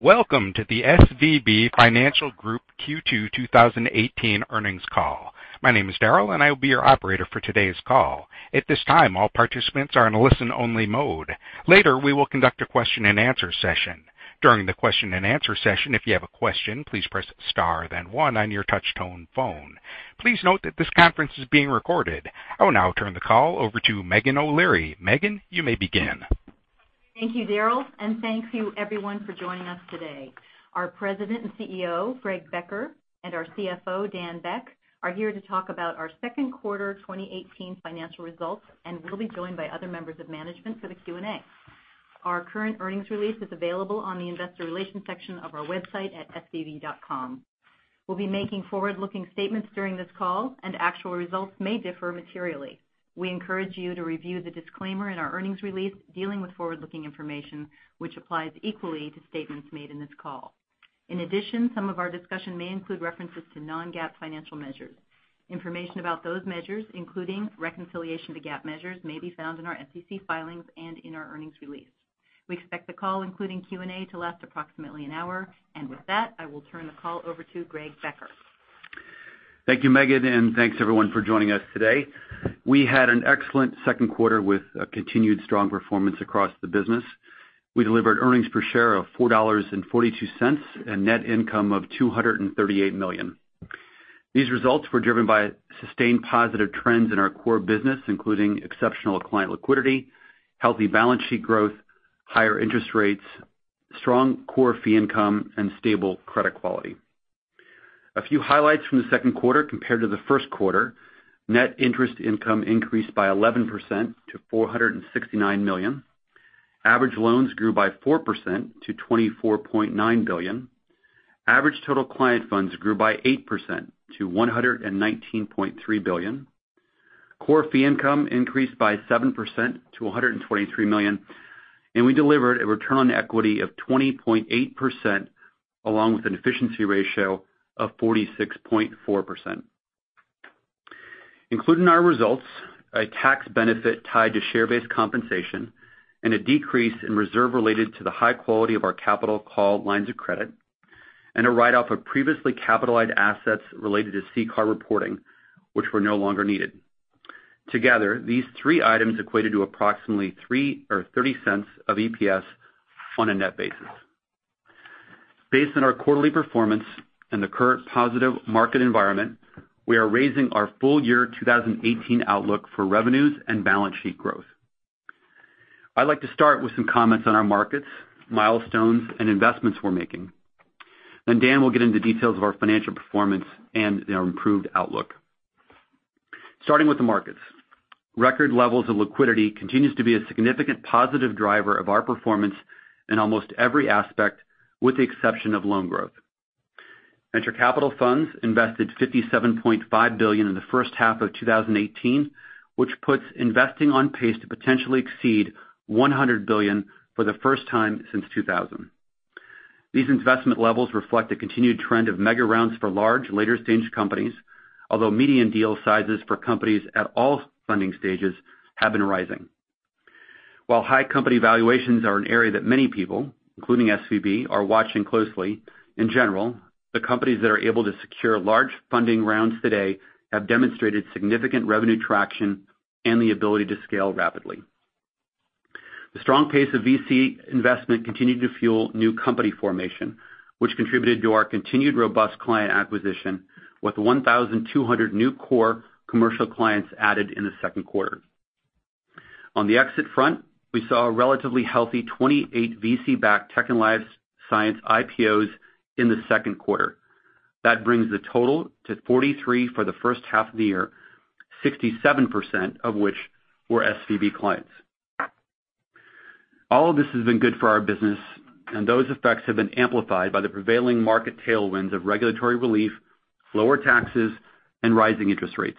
Welcome to the SVB Financial Group Q2 2018 earnings call. My name is Darryl, I will be your operator for today's call. At this time, all participants are in listen-only mode. Later, we will conduct a question and answer session. During the question and answer session, if you have a question, please press star then one on your touch-tone phone. Please note that this conference is being recorded. I will now turn the call over to Meghan O'Leary. Meghan, you may begin. Thank you, Darryl. Thank you everyone for joining us today. Our President and CEO, Greg Becker, and our CFO, Daniel Beck, are here to talk about our second quarter 2018 financial results, and we'll be joined by other members of management for the Q&A. Our current earnings release is available on the investor relations section of our website at svb.com. We'll be making forward-looking statements during this call, and actual results may differ materially. We encourage you to review the disclaimer in our earnings release dealing with forward-looking information, which applies equally to statements made in this call. In addition, some of our discussion may include references to non-GAAP financial measures. Information about those measures, including reconciliation to GAAP measures, may be found in our SEC filings and in our earnings release. We expect the call, including Q&A, to last approximately an hour. With that, I will turn the call over to Greg Becker. Thank you, Meghan, thanks everyone for joining us today. We had an excellent second quarter with a continued strong performance across the business. We delivered earnings per share of $4.42 and net income of $238 million. These results were driven by sustained positive trends in our core business, including exceptional client liquidity, healthy balance sheet growth, higher interest rates, strong core fee income, and stable credit quality. A few highlights from the second quarter compared to the first quarter. Net interest income increased by 11% to $469 million. Average loans grew by 4% to $24.9 billion. Average total client funds grew by 8% to $119.3 billion. Core fee income increased by 7% to $123 million. We delivered a return on equity of 20.8%, along with an efficiency ratio of 46.4%. Included in our results, a tax benefit tied to share-based compensation, and a decrease in reserve related to the high quality of our capital call lines of credit, and a write-off of previously capitalized assets related to CCAR reporting, which were no longer needed. Together, these three items equated to approximately $0.30 of EPS on a net basis. Based on our quarterly performance and the current positive market environment, we are raising our full year 2018 outlook for revenues and balance sheet growth. I'd like to start with some comments on our markets, milestones, and investments we're making. Dan will get into details of our financial performance and our improved outlook. Starting with the markets. Record levels of liquidity continues to be a significant positive driver of our performance in almost every aspect, with the exception of loan growth. Venture capital funds invested $57.5 billion in the first half of 2018, which puts investing on pace to potentially exceed $100 billion for the first time since 2000. These investment levels reflect a continued trend of mega rounds for large, later-stage companies, although median deal sizes for companies at all funding stages have been rising. While high company valuations are an area that many people, including SVB, are watching closely. In general, the companies that are able to secure large funding rounds today have demonstrated significant revenue traction and the ability to scale rapidly. The strong pace of VC investment continued to fuel new company formation, which contributed to our continued robust client acquisition, with 1,200 new core commercial clients added in the second quarter. On the exit front, we saw a relatively healthy 28 VC-backed tech and life science IPOs in the second quarter. That brings the total to 43 for the first half of the year, 67% of which were SVB clients. Those effects have been amplified by the prevailing market tailwinds of regulatory relief, lower taxes, and rising interest rates.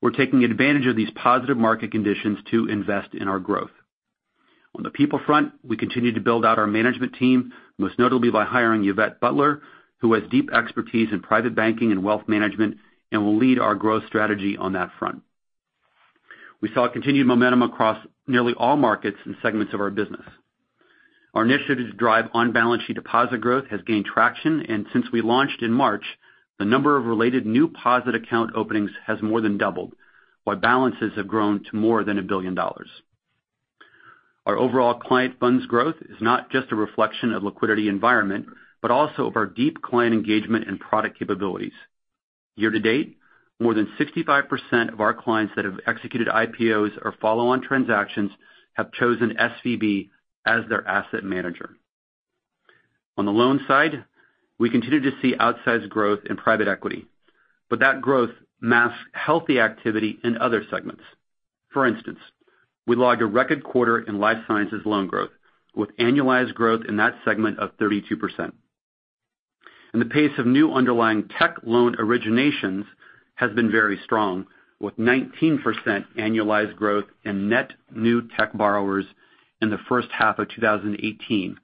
We're taking advantage of these positive market conditions to invest in our growth. On the people front, we continue to build out our management team, most notably by hiring Yvette Butler, who has deep expertise in private banking and wealth management and will lead our growth strategy on that front. We saw continued momentum across nearly all markets and segments of our business. Our initiative to drive on-balance sheet deposit growth has gained traction. Since we launched in March, the number of related new deposit account openings has more than doubled, while balances have grown to more than $1 billion. Our overall client funds growth is not just a reflection of liquidity environment, but also of our deep client engagement and product capabilities. Year to date, more than 65% of our clients that have executed IPOs or follow-on transactions have chosen SVB as their asset manager. On the loan side, we continue to see outsized growth in private equity. That growth masks healthy activity in other segments. For instance, we logged a record quarter in life sciences loan growth, with annualized growth in that segment of 32%. The pace of new underlying tech loan originations has been very strong, with 19% annualized growth in net new tech borrowers in the first half of 2018,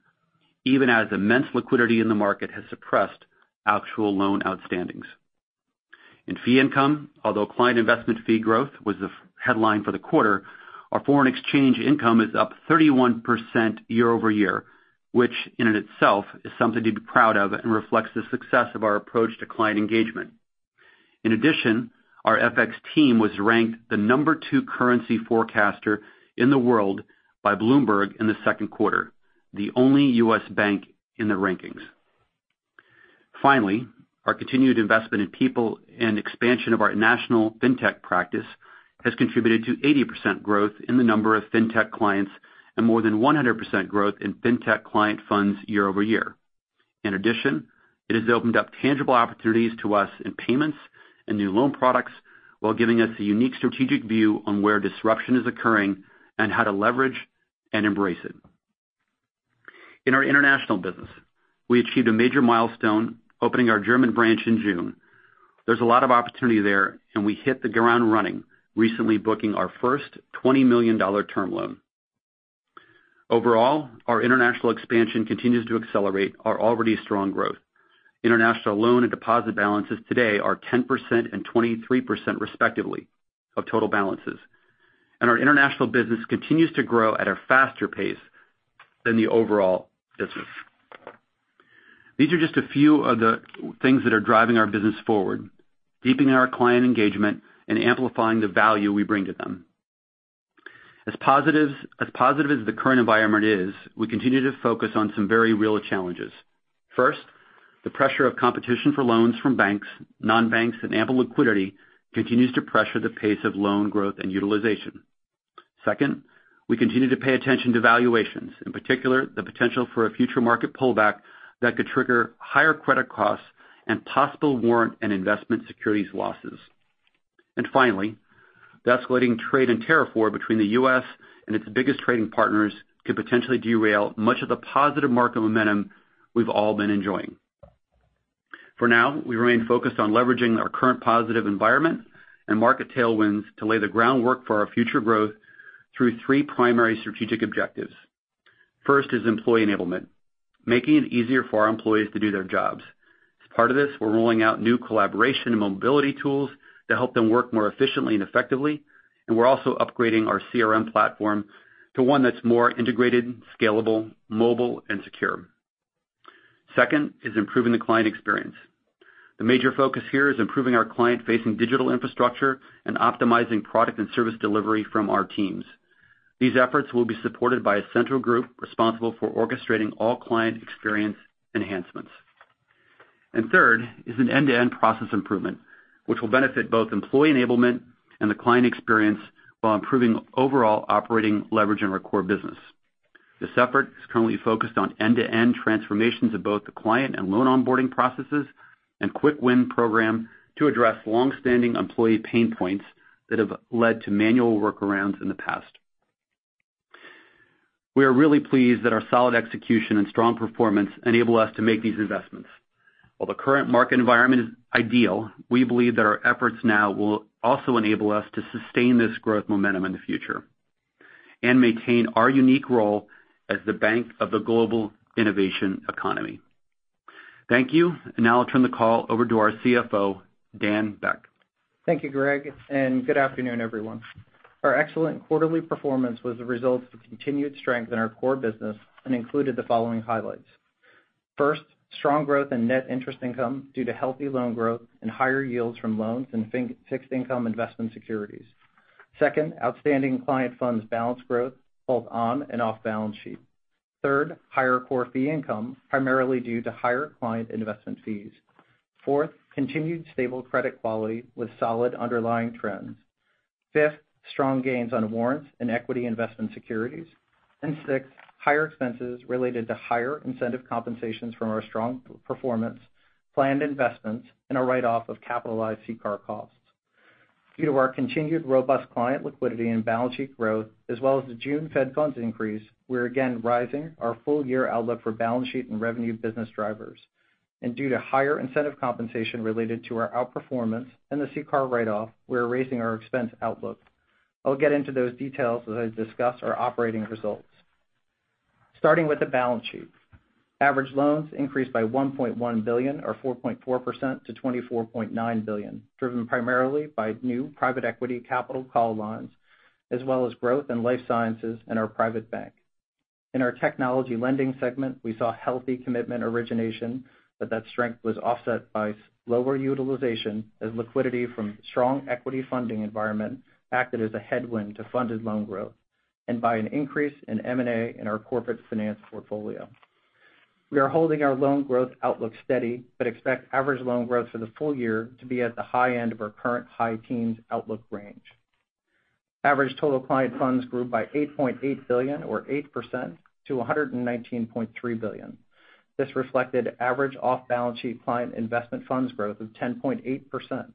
even as immense liquidity in the market has suppressed actual loan outstandings. In fee income, although client investment fee growth was the headline for the quarter, our foreign exchange income is up 31% year-over-year, which in and itself is something to be proud of and reflects the success of our approach to client engagement. Our FX team was ranked the number 2 currency forecaster in the world by Bloomberg in the second quarter, the only U.S. bank in the rankings. Finally, our continued investment in people and expansion of our national fintech practice has contributed to 80% growth in the number of fintech clients and more than 100% growth in fintech client funds year-over-year. It has opened up tangible opportunities to us in payments and new loan products while giving us a unique strategic view on where disruption is occurring and how to leverage and embrace it. In our international business, we achieved a major milestone, opening our German branch in June. There's a lot of opportunity there. We hit the ground running, recently booking our first $20 million term loan. Overall, our international expansion continues to accelerate our already strong growth. International loan and deposit balances today are 10% and 23% respectively of total balances. Our international business continues to grow at a faster pace than the overall business. These are just a few of the things that are driving our business forward, deepening our client engagement and amplifying the value we bring to them. As positive as the current environment is, we continue to focus on some very real challenges. First, the pressure of competition for loans from banks, non-banks with ample liquidity continues to pressure the pace of loan growth and utilization. Second, we continue to pay attention to valuations. In particular, the potential for a future market pullback that could trigger higher credit costs and possible warrant and investment securities losses. Finally, the escalating trade and tariff war between the U.S. and its biggest trading partners could potentially derail much of the positive market momentum we've all been enjoying. For now, we remain focused on leveraging our current positive environment and market tailwinds to lay the groundwork for our future growth through three primary strategic objectives. First is employee enablement, making it easier for our employees to do their jobs. As part of this, we're rolling out new collaboration and mobility tools to help them work more efficiently and effectively. We're also upgrading our CRM platform to one that's more integrated, scalable, mobile, and secure. Second is improving the client experience. The major focus here is improving our client-facing digital infrastructure and optimizing product and service delivery from our teams. These efforts will be supported by a central group responsible for orchestrating all client experience enhancements. Third is an end-to-end process improvement, which will benefit both employee enablement and the client experience while improving overall operating leverage in our core business. This effort is currently focused on end-to-end transformations of both the client and loan onboarding processes and quick win program to address long-standing employee pain points that have led to manual workarounds in the past. We are really pleased that our solid execution and strong performance enable us to make these investments. While the current market environment is ideal, we believe that our efforts now will also enable us to sustain this growth momentum in the future and maintain our unique role as the bank of the global innovation economy. Thank you. Now I'll turn the call over to our CFO, Daniel Beck. Thank you, Greg, good afternoon, everyone. Our excellent quarterly performance was a result of the continued strength in our core business and included the following highlights. First, strong growth in net interest income due to healthy loan growth and higher yields from loans and fixed income investment securities. Second, outstanding client funds balance growth both on and off balance sheet. Third, higher core fee income, primarily due to higher client investment fees. Fourth, continued stable credit quality with solid underlying trends. Fifth, strong gains on warrants and equity investment securities. Sixth, higher expenses related to higher incentive compensations from our strong performance, planned investments, and a write-off of capitalized CCAR costs. Due to our continued robust client liquidity and balance sheet growth, as well as the June Fed funds increase, we're again raising our full-year outlook for balance sheet and revenue business drivers. Due to higher incentive compensation related to our outperformance and the CCAR write-off, we're raising our expense outlook. I'll get into those details as I discuss our operating results. Starting with the balance sheet. Average loans increased by $1.1 billion or 4.4% to $24.9 billion, driven primarily by new private equity capital call loans, as well as growth in life sciences and our private bank. In our technology lending segment, we saw healthy commitment origination, but that strength was offset by lower utilization as liquidity from strong equity funding environment acted as a headwind to funded loan growth and by an increase in M&A in our corporate finance portfolio. We are holding our loan growth outlook steady but expect average loan growth for the full-year to be at the high end of our current high teens outlook range. Average total client funds grew by $8.8 billion or 8% to $119.3 billion. This reflected average off-balance sheet client investment funds growth of 10.8%,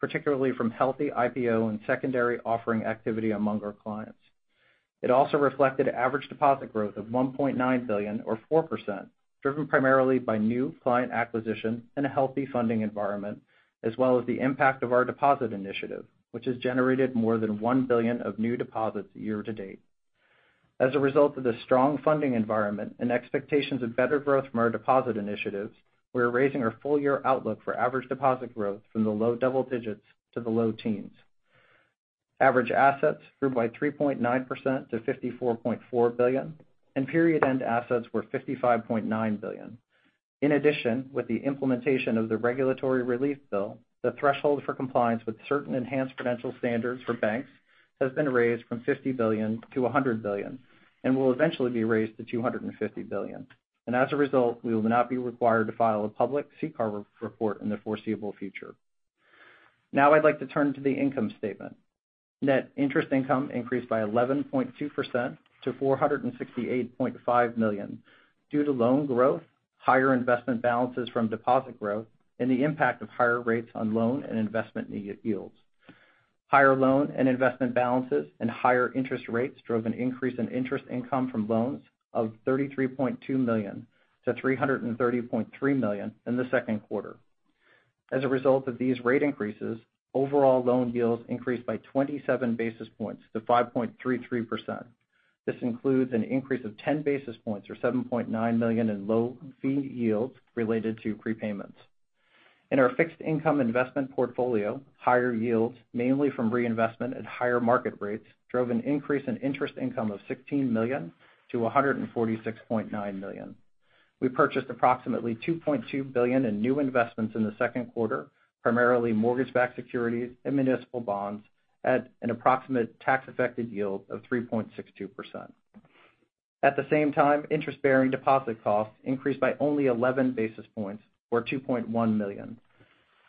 particularly from healthy IPO and secondary offering activity among our clients. It also reflected average deposit growth of $1.9 billion or 4%, driven primarily by new client acquisition and a healthy funding environment, as well as the impact of our deposit initiative, which has generated more than $1 billion of new deposits year-to-date. As a result of the strong funding environment and expectations of better growth from our deposit initiatives, we're raising our full-year outlook for average deposit growth from the low double digits to the low teens. Average assets grew by 3.9% to $54.4 billion, and period end assets were $55.9 billion. In addition, with the implementation of the regulatory relief bill, the threshold for compliance with certain enhanced prudential standards for banks has been raised from $50 billion to $100 billion and will eventually be raised to $250 billion. As a result, we will not be required to file a public CCAR report in the foreseeable future. I'd like to turn to the income statement. Net interest income increased by 11.2% to $468.5 million due to loan growth, higher investment balances from deposit growth, and the impact of higher rates on loan and investment yields. Higher loan and investment balances and higher interest rates drove an increase in interest income from loans of $33.2 million to $330.3 million in the second quarter. As a result of these rate increases, overall loan yields increased by 27 basis points to 5.33%. This includes an increase of 10 basis points, or $7.9 million in low fee yields, related to prepayments. In our fixed income investment portfolio, higher yields, mainly from reinvestment at higher market rates, drove an increase in interest income of $16 million to $146.9 million. We purchased approximately $2.2 billion in new investments in the second quarter, primarily mortgage-backed securities and municipal bonds, at an approximate tax affected yield of 3.62%. At the same time, interest-bearing deposit costs increased by only 11 basis points or $2.1 million.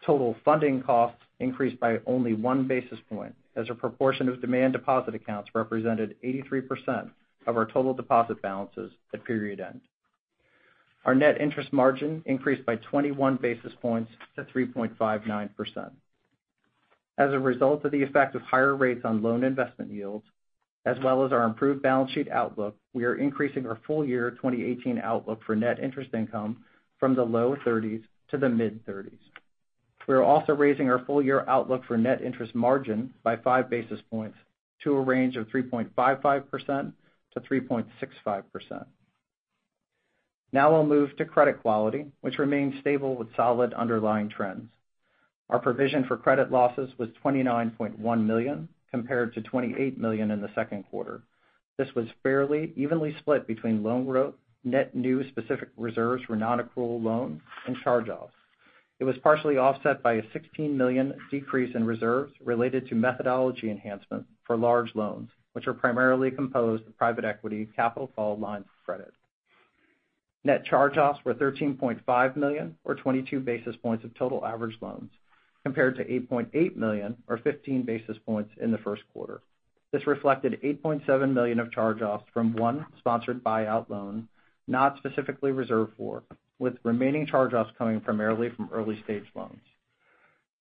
Total funding costs increased by only one basis point as a proportion of demand deposit accounts represented 83% of our total deposit balances at period end. Our net interest margin increased by 21 basis points to 3.59%. As a result of the effect of higher rates on loan investment yields, as well as our improved balance sheet outlook, we are increasing our full year 2018 outlook for net interest income from the low 30s to the mid-30s. We are also raising our full year outlook for net interest margin by five basis points to a range of 3.55%-3.65%. We'll move to credit quality, which remains stable with solid underlying trends. Our provision for credit losses was $29.1 million, compared to $28 million in the second quarter. This was fairly evenly split between loan growth, net new specific reserves for non-accrual loans, and charge-offs. It was partially offset by a $16 million decrease in reserves related to methodology enhancements for large loans, which were primarily composed of private equity, capital call lending credit. Net charge-offs were $13.5 million, or 22 basis points of total average loans, compared to $8.8 million, or 15 basis points in the first quarter. This reflected $8.7 million of charge-offs from one sponsored buyout loan not specifically reserved for, with remaining charge-offs coming primarily from early stage loans.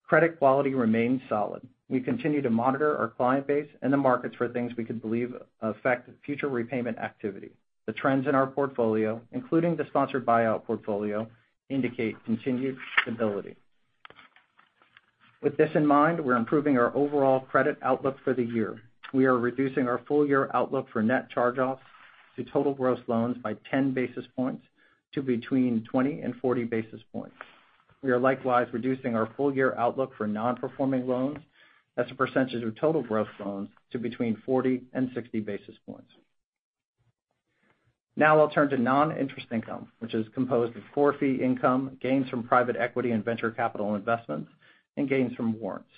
Credit quality remains solid. We continue to monitor our client base and the markets for things we could believe affect future repayment activity. The trends in our portfolio, including the sponsored buyout portfolio, indicate continued stability. With this in mind, we're improving our overall credit outlook for the year. We are reducing our full year outlook for net charge-offs to total gross loans by 10 basis points to between 20 and 40 basis points. We are likewise reducing our full year outlook for non-performing loans as a percentage of total gross loans to between 40 and 60 basis points. Now I'll turn to non-interest income, which is composed of core fee income, gains from private equity and venture capital investments, and gains from warrants.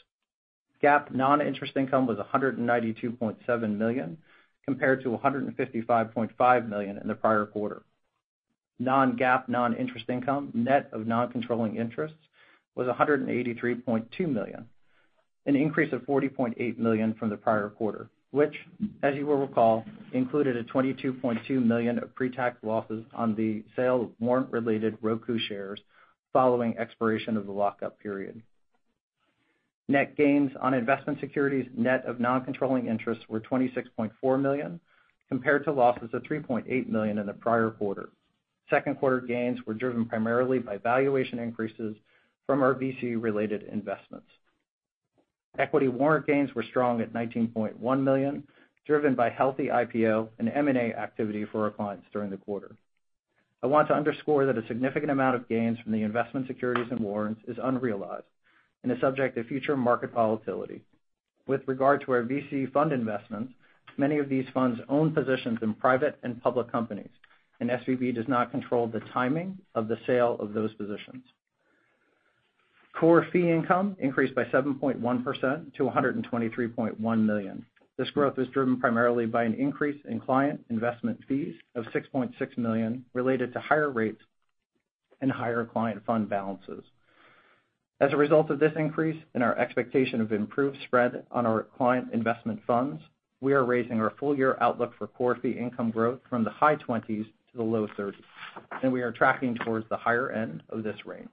GAAP non-interest income was $192.7 million, compared to $155.5 million in the prior quarter. Non-GAAP non-interest income, net of non-controlling interest, was $183.2 million, an increase of $40.8 million from the prior quarter, which, as you will recall, included a $22.2 million of pre-tax losses on the sale of warrant-related Roku shares following expiration of the lockup period. Net gains on investment securities, net of non-controlling interests, were $26.4 million, compared to losses of $3.8 million in the prior quarter. Second quarter gains were driven primarily by valuation increases from our VC-related investments. Equity warrant gains were strong at $19.1 million, driven by healthy IPO and M&A activity for our clients during the quarter. I want to underscore that a significant amount of gains from the investment securities and warrants is unrealized and is subject to future market volatility. With regard to our VC fund investments, many of these funds own positions in private and public companies, and SVB does not control the timing of the sale of those positions. Core fee income increased by 7.1% to $123.1 million. This growth was driven primarily by an increase in client investment fees of $6.6 million related to higher rates and higher client fund balances. As a result of this increase and our expectation of improved spread on our client investment funds, we are raising our full year outlook for core fee income growth from the high 20s to the low 30s, and we are tracking towards the higher end of this range.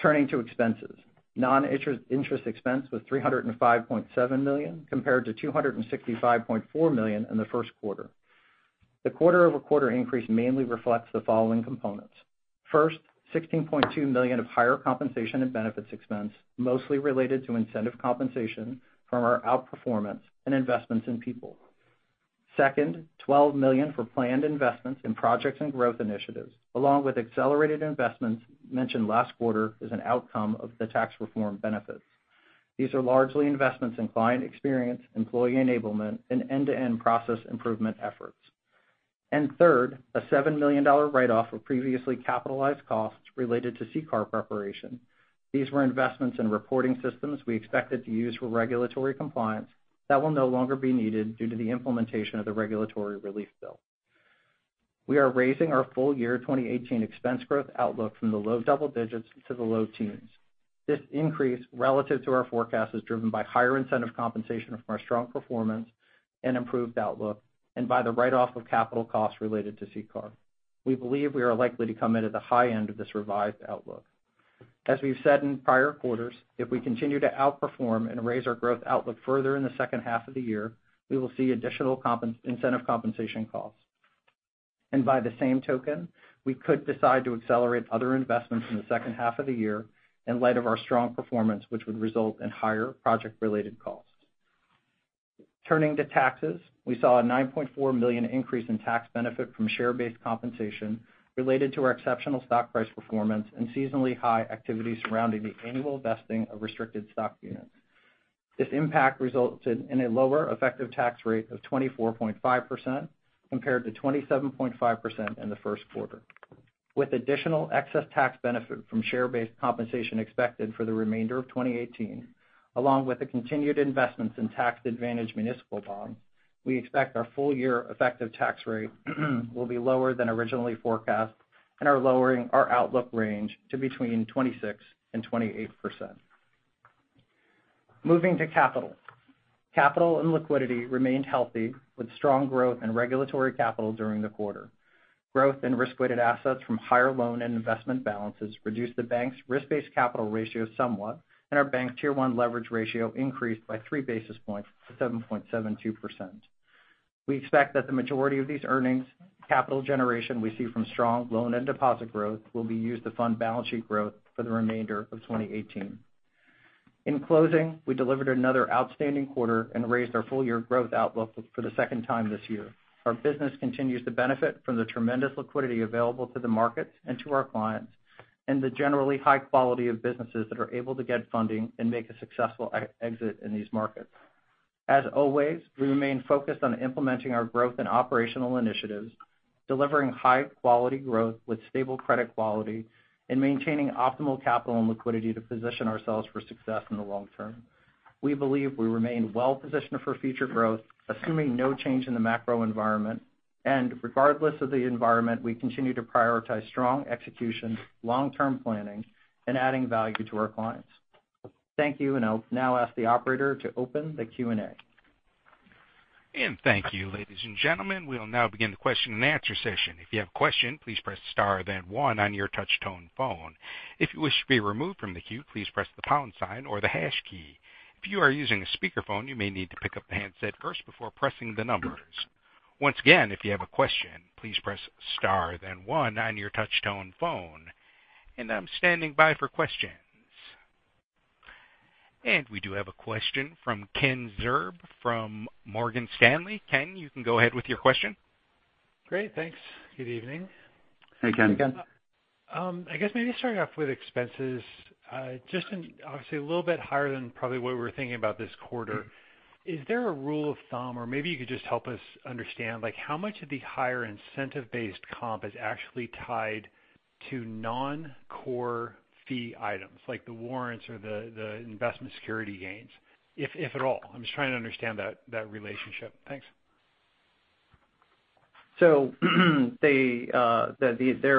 Turning to expenses. Non-interest expense was $305.7 million compared to $265.4 million in the first quarter. The quarter-over-quarter increase mainly reflects the following components. First, $16.2 million of higher compensation and benefits expense, mostly related to incentive compensation from our outperformance and investments in people. Second, $12 million for planned investments in projects and growth initiatives, along with accelerated investments mentioned last quarter as an outcome of the tax reform benefits. These are largely investments in client experience, employee enablement, and end-to-end process improvement efforts. Third, a $7 million write-off of previously capitalized costs related to CCAR preparation. These were investments in reporting systems we expected to use for regulatory compliance that will no longer be needed due to the implementation of the regulatory relief bill. We are raising our full year 2018 expense growth outlook from the low double digits to the low teens. This increase relative to our forecast is driven by higher incentive compensation from our strong performance and improved outlook and by the write-off of capital costs related to CCAR. We believe we are likely to come in at the high end of this revised outlook. As we've said in prior quarters, if we continue to outperform and raise our growth outlook further in the second half of the year, we will see additional incentive compensation costs. By the same token, we could decide to accelerate other investments in the second half of the year in light of our strong performance, which would result in higher project-related costs. Turning to taxes, we saw a $9.4 million increase in tax benefit from share-based compensation related to our exceptional stock price performance and seasonally high activity surrounding the annual vesting of restricted stock units. This impact resulted in a lower effective tax rate of 24.5% compared to 27.5% in the first quarter. With additional excess tax benefit from share-based compensation expected for the remainder of 2018, along with the continued investments in tax advantage municipal bonds, we expect our full year effective tax rate will be lower than originally forecast and are lowering our outlook range to between 26% and 28%. Moving to capital. Capital and liquidity remained healthy with strong growth in regulatory capital during the quarter. Growth in risk-weighted assets from higher loan and investment balances reduced the bank's risk-based capital ratio somewhat, and our bank's Tier 1 leverage ratio increased by three basis points to 7.72%. We expect that the majority of these earnings capital generation we see from strong loan and deposit growth will be used to fund balance sheet growth for the remainder of 2018. In closing, we delivered another outstanding quarter and raised our full-year growth outlook for the second time this year. Our business continues to benefit from the tremendous liquidity available to the markets and to our clients and the generally high quality of businesses that are able to get funding and make a successful exit in these markets. As always, we remain focused on implementing our growth and operational initiatives, delivering high quality growth with stable credit quality, and maintaining optimal capital and liquidity to position ourselves for success in the long term. We believe we remain well positioned for future growth, assuming no change in the macro environment. Regardless of the environment, we continue to prioritize strong execution, long-term planning, and adding value to our clients. Thank you, and I'll now ask the operator to open the Q&A. Thank you, ladies and gentlemen. We'll now begin the question and answer session. If you have a question, please press star then one on your touch tone phone. If you wish to be removed from the queue, please press the pound sign or the hash key. If you are using a speakerphone, you may need to pick up the handset first before pressing the numbers. Once again, if you have a question, please press star then one on your touch tone phone. I'm standing by for questions. We do have a question from Kenneth Zerbe from Morgan Stanley. Ken, you can go ahead with your question. Great. Thanks. Good evening. Hey, Ken. I guess maybe starting off with expenses. Just obviously a little bit higher than probably what we were thinking about this quarter. Is there a rule of thumb, or maybe you could just help us understand, how much of the higher incentive-based comp is actually tied to non-core fee items like the warrants or the investment security gains, if at all? I'm just trying to understand that relationship. Thanks. There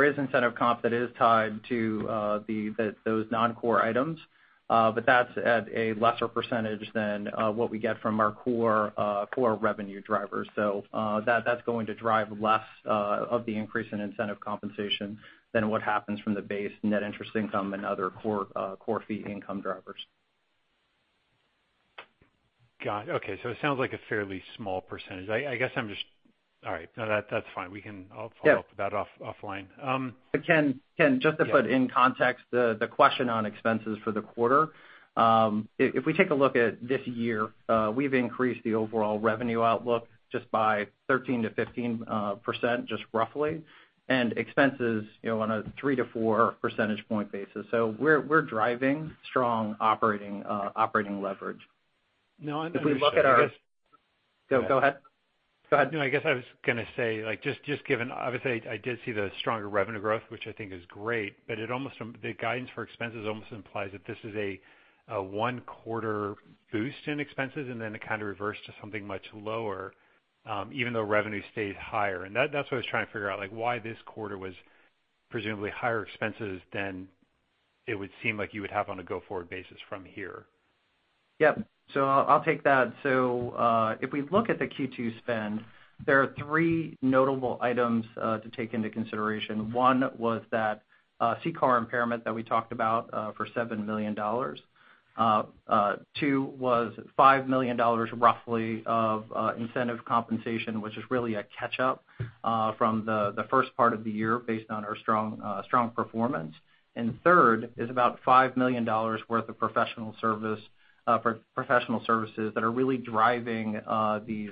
is incentive comp that is tied to those non-core items. That's at a lesser percentage than what we get from our core revenue drivers. That's going to drive less of the increase in incentive compensation than what happens from the base net interest income and other core fee income drivers. Got it. Okay. It sounds like a fairly small percentage. All right. No, that's fine. I'll follow up with that offline. Ken, just to put in context the question on expenses for the quarter. If we take a look at this year, we've increased the overall revenue outlook just by 13%-15%, just roughly. Expenses on a 3-4 percentage point basis. We're driving strong operating leverage. I understand. Go ahead. I guess I was going to say, obviously, I did see the stronger revenue growth, which I think is great, but the guidance for expenses almost implies that this is a one-quarter boost in expenses, and then it kind of reverts to something much lower, even though revenue stayed higher. That's what I was trying to figure out, why this quarter was presumably higher expenses than it would seem like you would have on a go-forward basis from here. Yep. I'll take that. If we look at the Q2 spend, there are three notable items to take into consideration. One was that CCAR impairment that we talked about for $7 million. Two was $5 million roughly of incentive compensation, which is really a catch-up from the first part of the year based on our strong performance. Third is about $5 million worth of professional services that are really driving these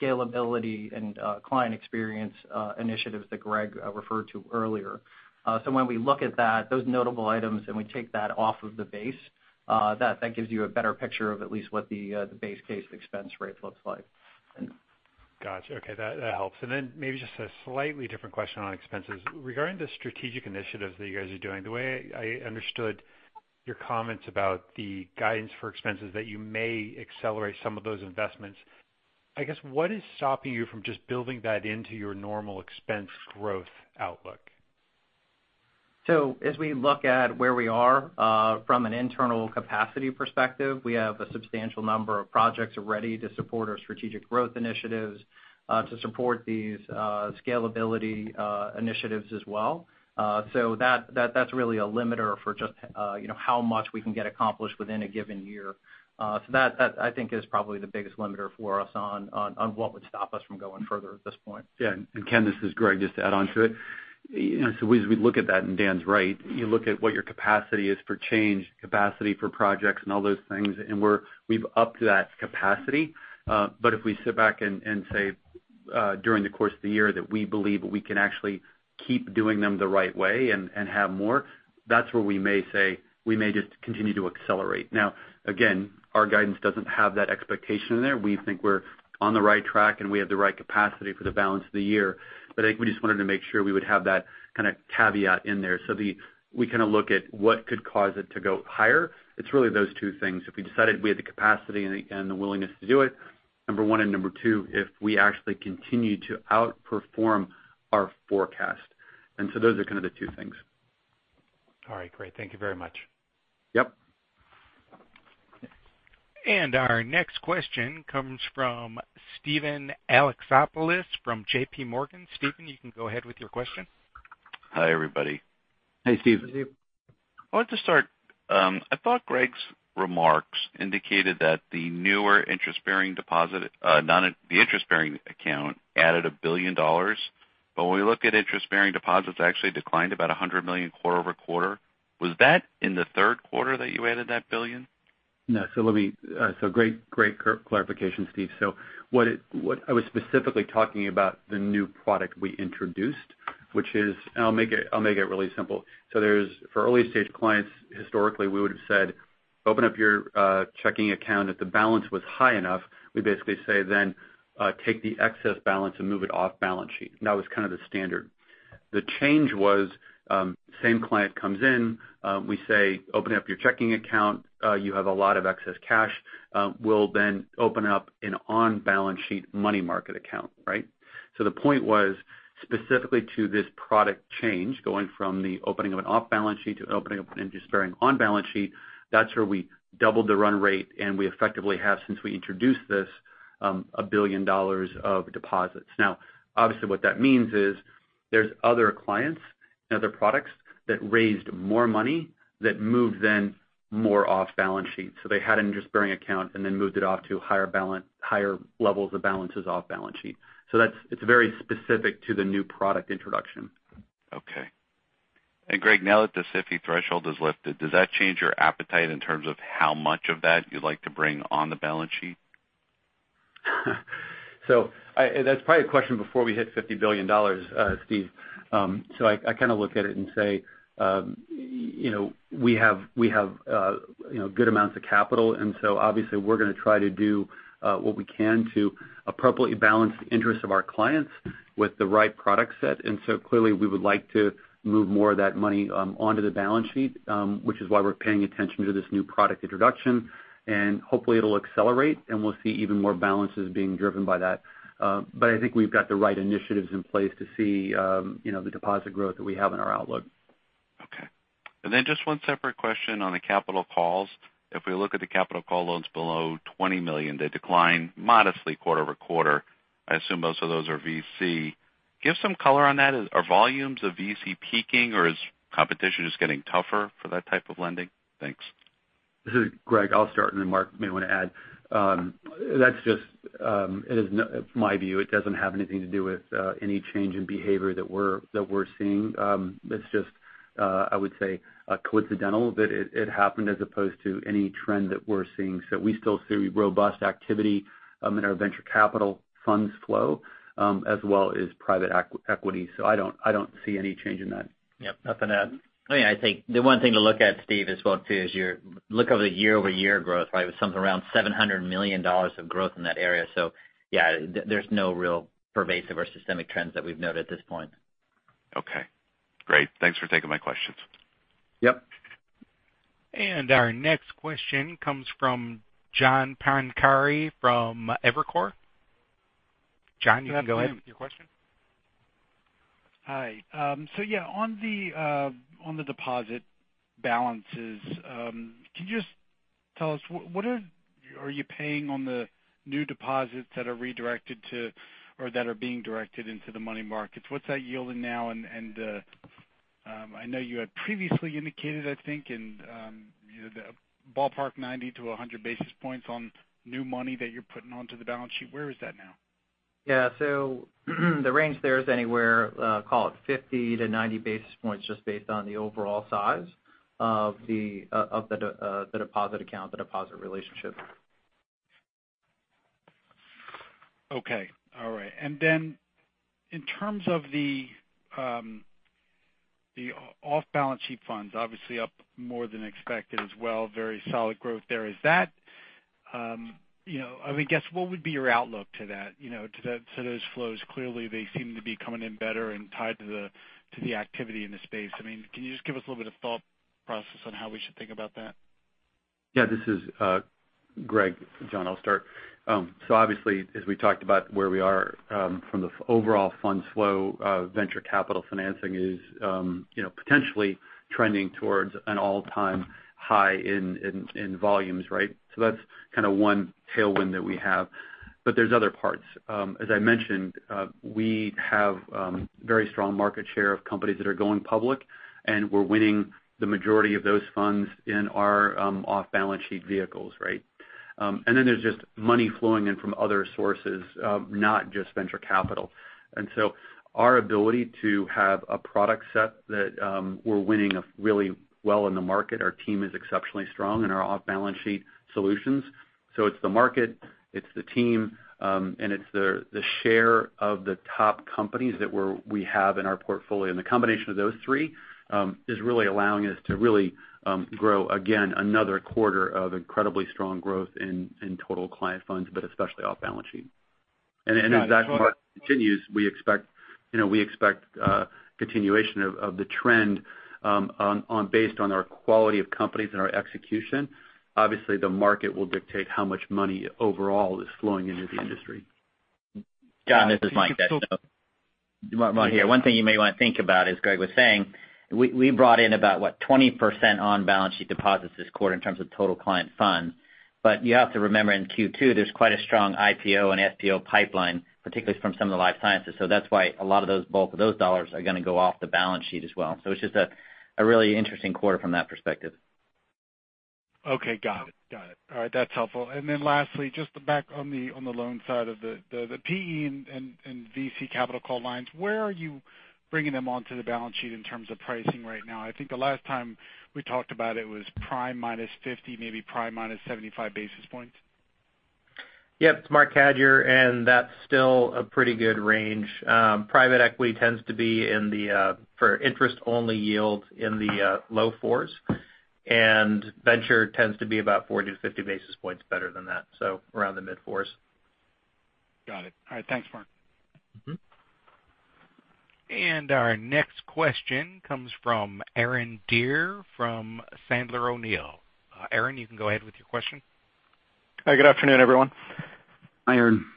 scalability and client experience initiatives that Greg referred to earlier. When we look at that, those notable items, and we take that off of the base, that gives you a better picture of at least what the base case expense rate looks like. Got you. Okay. That helps. Then maybe just a slightly different question on expenses. Regarding the strategic initiatives that you guys are doing, the way I understood your comments about the guidance for expenses that you may accelerate some of those investments, I guess what is stopping you from just building that into your normal expense growth outlook? As we look at where we are from an internal capacity perspective, we have a substantial number of projects ready to support our strategic growth initiatives, to support these scalability initiatives as well. That's really a limiter for just how much we can get accomplished within a given year. That I think is probably the biggest limiter for us on what would stop us from going further at this point. Yeah. Ken, this is Greg, just to add onto it. As we look at that, and Dan's right. You look at what your capacity is for change, capacity for projects and all those things, and we've upped that capacity. If we sit back and say, during the course of the year that we believe we can actually keep doing them the right way and have more, that's where we may say, we may just continue to accelerate. Now, again, our guidance doesn't have that expectation in there. We think we're on the right track and we have the right capacity for the balance of the year. I think we just wanted to make sure we would have that kind of caveat in there. We kind of look at what could cause it to go higher. It's really those two things. If we decided we had the capacity and the willingness to do it, number one, and number two, if we actually continue to outperform our forecast. So those are kind of the two things. All right. Great. Thank you very much. Yep. Our next question comes from Steven Alexopoulos from JPMorgan. Steven, you can go ahead with your question. Hi, everybody. Hey, Steve. Hey, Steve. I wanted to start. I thought Greg's remarks indicated that the newer interest-bearing deposit, the interest-bearing account added $1 billion. When we look at interest-bearing deposits, it actually declined about $100 million quarter-over-quarter. Was that in the third quarter that you added that $1 billion? No. Great clarification, Steve. I was specifically talking about the new product we introduced, which is, I'll make it really simple. For early-stage clients, historically we would've said, open up your checking account. If the balance was high enough, we basically say, then take the excess balance and move it off balance sheet. That was kind of the standard. The change was, same client comes in, we say, open up your checking account. You have a lot of excess cash. We'll then open up an on-balance sheet money market account. Right? The point was specifically to this product change, going from the opening of an off-balance sheet to opening up an interest-bearing on-balance sheet. That's where we doubled the run rate, and we effectively have, since we introduced this, $1 billion of deposits. Obviously what that means is there's other clients and other products that raised more money that moved then more off balance sheet. They had an interest-bearing account and then moved it off to higher levels of balances off balance sheet. It's very specific to the new product introduction. Greg, now that the SIFI threshold is lifted, does that change your appetite in terms of how much of that you'd like to bring on the balance sheet? That's probably a question before we hit $50 billion, Steve. I kind of look at it and say, we have good amounts of capital. Obviously we're going to try to do what we can to appropriately balance the interests of our clients with the right product set. Clearly we would like to move more of that money onto the balance sheet, which is why we're paying attention to this new product introduction. Hopefully it'll accelerate and we'll see even more balances being driven by that. I think we've got the right initiatives in place to see the deposit growth that we have in our outlook. Just one separate question on the capital calls. If we look at the capital call loans below $20 million, they decline modestly quarter-over-quarter. I assume most of those are VC. Give some color on that. Are volumes of VC peaking or is competition just getting tougher for that type of lending? Thanks. This is Greg. I'll start. Marc may want to add. That's just my view. It doesn't have anything to do with any change in behavior that we're seeing. That's just, I would say, coincidental that it happened as opposed to any trend that we're seeing. We still see robust activity in our venture capital funds flow, as well as private equity. I don't see any change in that. Yep. Nothing to add. I think the one thing to look at, Steven, as well too is look over the year-over-year growth, right? It was something around $700 million of growth in that area. Yeah, there's no real pervasive or systemic trends that we've noted at this point. Okay. Great. Thanks for taking my questions. Yep. Our next question comes from John Pancari from Evercore. John, you can go ahead with your question. Hi. Yeah, on the deposit balances, can you just tell us, what are you paying on the new deposits that are redirected to or that are being directed into the money markets? What's that yielding now? I know you had previously indicated, I think, the ballpark 90-100 basis points on new money that you're putting onto the balance sheet. Where is that now? Yeah. The range there is anywhere, call it 50-90 basis points, just based on the overall size of the deposit account, the deposit relationship. Okay. All right. Then in terms of the off-balance sheet funds, obviously up more than expected as well, very solid growth there. I guess, what would be your outlook to those flows? Clearly, they seem to be coming in better and tied to the activity in the space. Can you just give us a little bit of thought process on how we should think about that? Yeah. This is Greg. John, I'll start. Obviously, as we talked about where we are from the overall funds flow, venture capital financing is potentially trending towards an all-time high in volumes, right? That's one tailwind that we have. There's other parts. As I mentioned, we have very strong market share of companies that are going public, and we're winning the majority of those funds in our off-balance sheet vehicles, right? Then there's just money flowing in from other sources, not just venture capital. Our ability to have a product set that we're winning really well in the market, our team is exceptionally strong in our off-balance sheet solutions. It's the market, it's the team, and it's the share of the top companies that we have in our portfolio. The combination of those three is really allowing us to really grow again another quarter of incredibly strong growth in total client funds, but especially off balance sheet. Exactly how it continues, we expect continuation of the trend based on our quality of companies and our execution. Obviously, the market will dictate how much money overall is flowing into the industry. John, this is Michael Descheneaux. One thing you may want to think about, as Greg was saying, we brought in about what, 20% on balance sheet deposits this quarter in terms of total client funds. But you have to remember in Q2, there's quite a strong IPO and FPO pipeline, particularly from some of the life sciences. That's why a lot of those bulk of those $ are going to go off the balance sheet as well. It's just a really interesting quarter from that perspective. Okay. Got it. All right, that's helpful. Lastly, just back on the loan side of the PE and VC capital call lines, where are you bringing them onto the balance sheet in terms of pricing right now? I think the last time we talked about it was prime minus 50, maybe prime minus 75 basis points. Yep. It's Marc Cadieux, and that's still a pretty good range. Private equity tends to be for interest-only yields in the low fours, and venture tends to be about 40 to 50 basis points better than that. Around the mid-fours. Got it. All right. Thanks, Marc. Our next question comes from Aaron Dorr from Sandler O'Neill. Aaron, you can go ahead with your question. Hi, good afternoon, everyone. Hi, Aaron Dorr.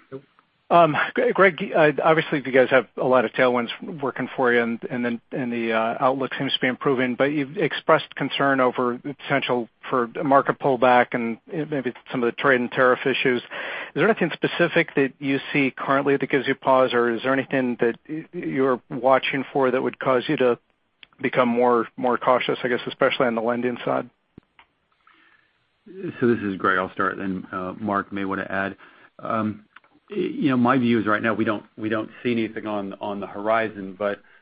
Greg, obviously, you guys have a lot of tailwinds working for you, the outlook seems to be improving, you've expressed concern over the potential for a market pullback and maybe some of the trade and tariff issues. Is there anything specific that you see currently that gives you pause, or is there anything that you're watching for that would cause you to become more cautious, I guess, especially on the lending side? This is Greg. I'll start, Marc Cadieux may want to add. My view is right now we don't see anything on the horizon,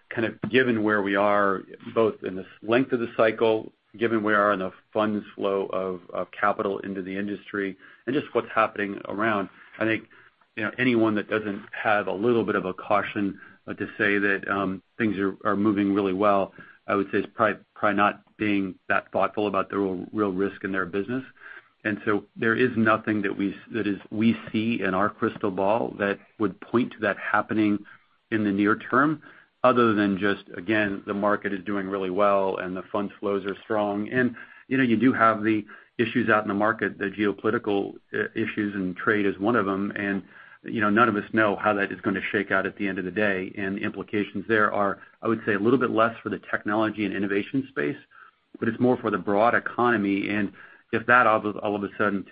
kind of given where we are, both in the length of the cycle, given where we are in the funds flow of capital into the industry and just what's happening around, I think anyone that doesn't have a little bit of a caution to say that things are moving really well, I would say is probably not being that thoughtful about the real risk in their business. There is nothing that we see in our crystal ball that would point to that happening in the near term other than just, again, the market is doing really well and the fund flows are strong. You do have the issues out in the market, the geopolitical issues, and trade is one of them. None of us know how that is going to shake out at the end of the day, the implications there are, I would say, a little bit less for the technology and innovation space, it's more for the broad economy. If that all of a sudden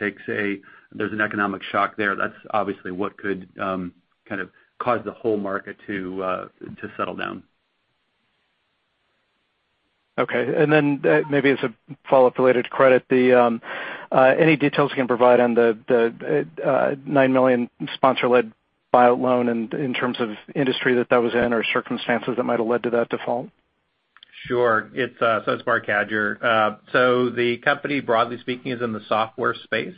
there's an economic shock there, that's obviously what could kind of cause the whole market to settle down. Okay. Then maybe as a follow-up related to credit, any details you can provide on the $9 million sponsor-led buyout loan in terms of industry that that was in or circumstances that might have led to that default? Sure. It's Marc Cadieux. The company, broadly speaking, is in the software space.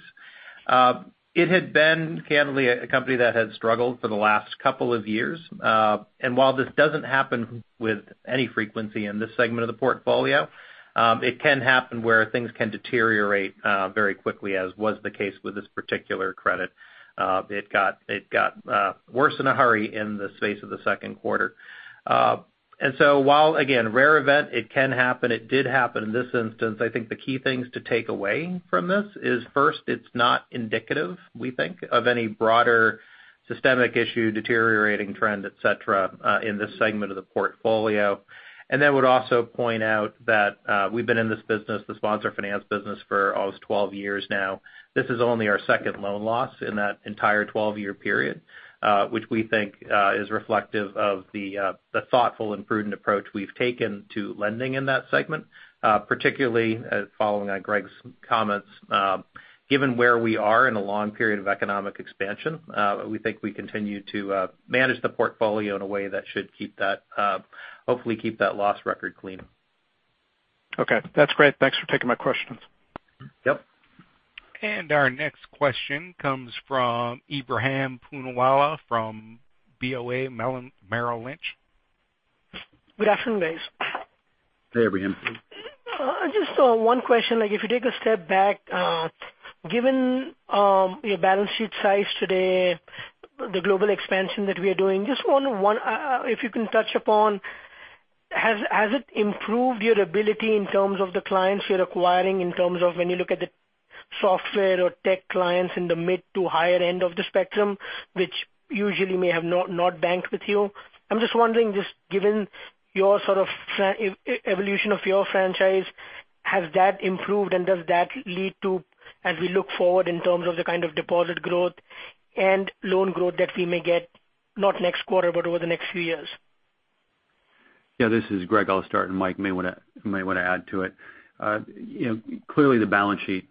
It had been, candidly, a company that had struggled for the last couple of years. While this doesn't happen with any frequency in this segment of the portfolio, it can happen where things can deteriorate very quickly, as was the case with this particular credit. It got worse in a hurry in the space of the second quarter. While, again, rare event, it can happen, it did happen in this instance. I think the key things to take away from this is first, it's not indicative, we think, of any broader systemic issue, deteriorating trend, et cetera, in this segment of the portfolio. Then would also point out that we've been in this business, the sponsor finance business, for almost 12 years now. This is only our second loan loss in that entire 12-year period, which we think is reflective of the thoughtful and prudent approach we've taken to lending in that segment, particularly following on Greg's comments. Given where we are in a long period of economic expansion, we think we continue to manage the portfolio in a way that should hopefully keep that loss record clean. Okay, that's great. Thanks for taking my questions. Yep. Our next question comes from Ebrahim Poonawala from Bank of America Merrill Lynch. Good afternoon, guys. Hey, Ebrahim. Just one question. If you take a step back, given your balance sheet size today, the global expansion that we are doing, if you can touch upon, has it improved your ability in terms of the clients you're acquiring, in terms of when you look at the software or tech clients in the mid to higher end of the spectrum, which usually may have not banked with you? I'm just wondering, just given your sort of evolution of your franchise, has that improved, and does that lead to, as we look forward in terms of the kind of deposit growth and loan growth that we may get, not next quarter, but over the next few years? Yeah, this is Greg. Mike may want to add to it. Clearly the balance sheet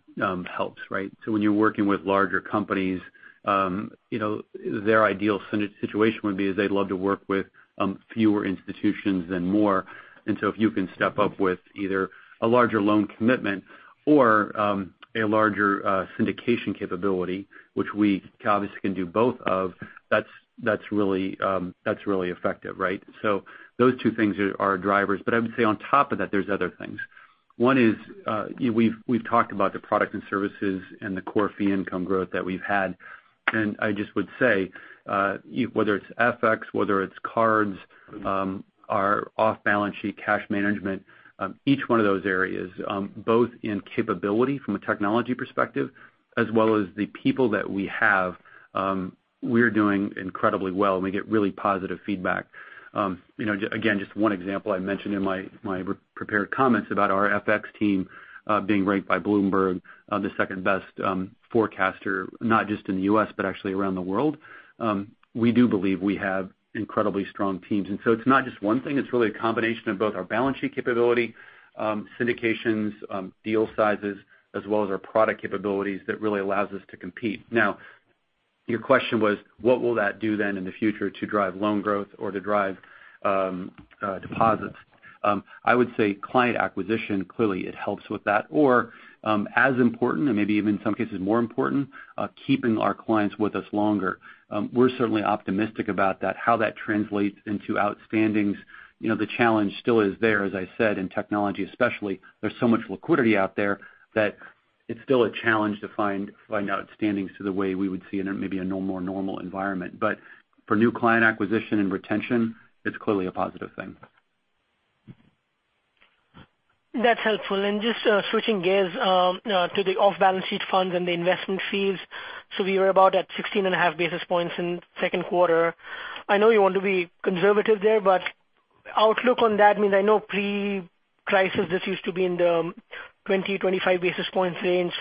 helps, right? When you're working with larger companies, their ideal situation would be is they'd love to work with fewer institutions than more. If you can step up with either a larger loan commitment or a larger syndication capability, which we obviously can do both of, that's really effective, right? Those two things are drivers. I would say on top of that, there's other things. One is we've talked about the products and services and the core fee income growth that we've had. I just would say whether it's FX, whether it's cards, our off-balance sheet cash management, each one of those areas, both in capability from a technology perspective as well as the people that we have, we're doing incredibly well, and we get really positive feedback. Again, just one example I mentioned in my prepared comments about our FX team being ranked by Bloomberg the second-best forecaster, not just in the U.S., but actually around the world. We do believe we have incredibly strong teams, it's not just one thing. It's really a combination of both our balance sheet capability, syndications, deal sizes, as well as our product capabilities that really allows us to compete. Now, your question was, what will that do then in the future to drive loan growth or to drive deposits? I would say client acquisition. Clearly, it helps with that. As important, and maybe even in some cases more important, keeping our clients with us longer. We're certainly optimistic about that. How that translates into outstandings, the challenge still is there, as I said, in technology especially. There's so much liquidity out there that it's still a challenge to find outstandings to the way we would see in maybe a more normal environment. For new client acquisition and retention, it's clearly a positive thing. That's helpful. Just switching gears to the off-balance sheet funds and the investment fees. We were about at 16.5 basis points in second quarter. I know you want to be conservative there, outlook on that means I know pre-crisis, this used to be in the 20-25 basis points range.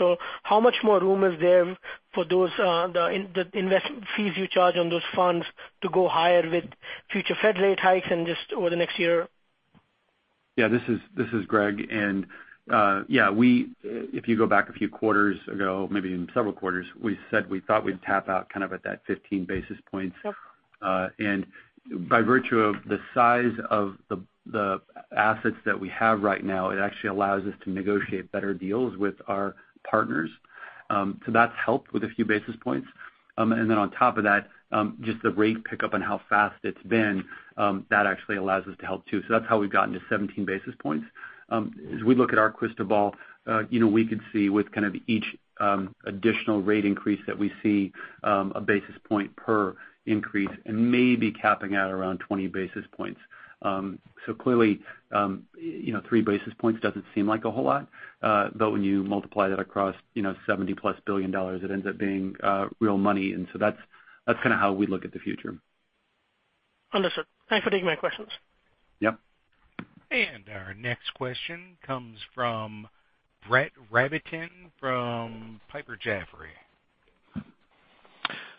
How much more room is there for the investment fees you charge on those funds to go higher with future Fed rate hikes and just over the next year? Yeah. This is Greg. Yeah, if you go back a few quarters ago, maybe even several quarters, we said we thought we'd tap out kind of at that 15 basis points. Yep. By virtue of the size of the assets that we have right now, it actually allows us to negotiate better deals with our partners. That's helped with a few basis points. On top of that, just the rate pickup and how fast it's been, that actually allows us to help too. That's how we've gotten to 17 basis points. As we look at our crystal ball, we could see with kind of each additional rate increase that we see a basis point per increase and maybe capping out around 20 basis points. Clearly, three basis points doesn't seem like a whole lot. But when you multiply that across $70-plus billion, it ends up being real money. That's kind of how we look at the future. Understood. Thanks for taking my questions. Yep. Our next question comes from Brett Rabatin from Piper Jaffray.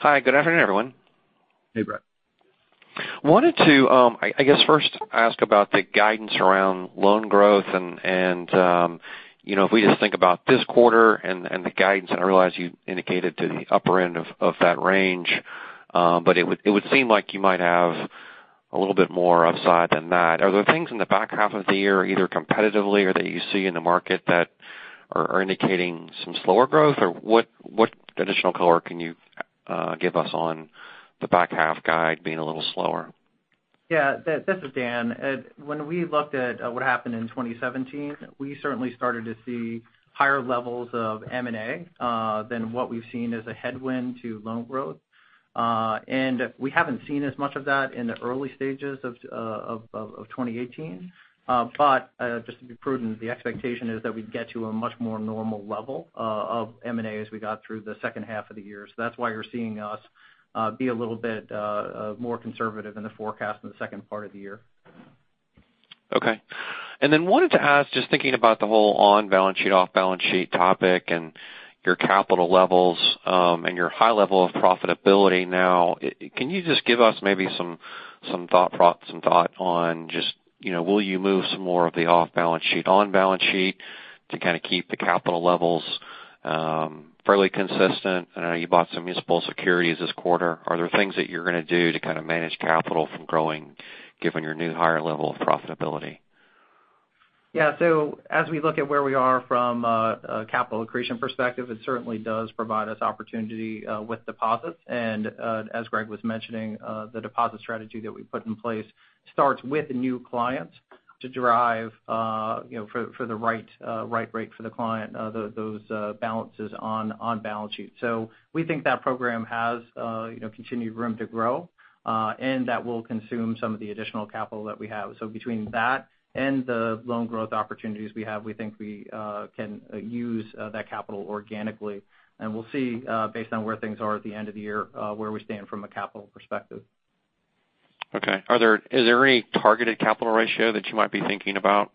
Hi, good afternoon, everyone. Hey, Brett. Wanted to, I guess, first ask about the guidance around loan growth and if we just think about this quarter and the guidance, and I realize you indicated to the upper end of that range. It would seem like you might have a little bit more upside than that. Are there things in the back half of the year, either competitively or that you see in the market that are indicating some slower growth, or what additional color can you give us on the back half guide being a little slower? Yeah, this is Dan. When we looked at what happened in 2017, we certainly started to see higher levels of M&A than what we've seen as a headwind to loan growth. We haven't seen as much of that in the early stages of 2018. Just to be prudent, the expectation is that we get to a much more normal level of M&A as we got through the second half of the year. That's why you're seeing us be a little bit more conservative in the forecast in the second part of the year. Okay. Wanted to ask, just thinking about the whole on-balance sheet, off-balance sheet topic and your capital levels, and your high level of profitability now. Can you just give us maybe some thought on just will you move some more of the off-balance sheet, on-balance sheet to kind of keep the capital levels fairly consistent? I know you bought some [inaudible] this quarter. Are there things that you're going to do to kind of manage capital from growing, given your new higher level of profitability? Yeah. As we look at where we are from a capital accretion perspective, it certainly does provide us opportunity with deposits. As Greg was mentioning, the deposit strategy that we put in place starts with new clients to drive for the right rate for the client, those balances on-balance sheet. We think that program has continued room to grow, and that will consume some of the additional capital that we have. Between that and the loan growth opportunities we have, we think we can use that capital organically, and we'll see, based on where things are at the end of the year, where we stand from a capital perspective. Okay. Is there any targeted capital ratio that you might be thinking about?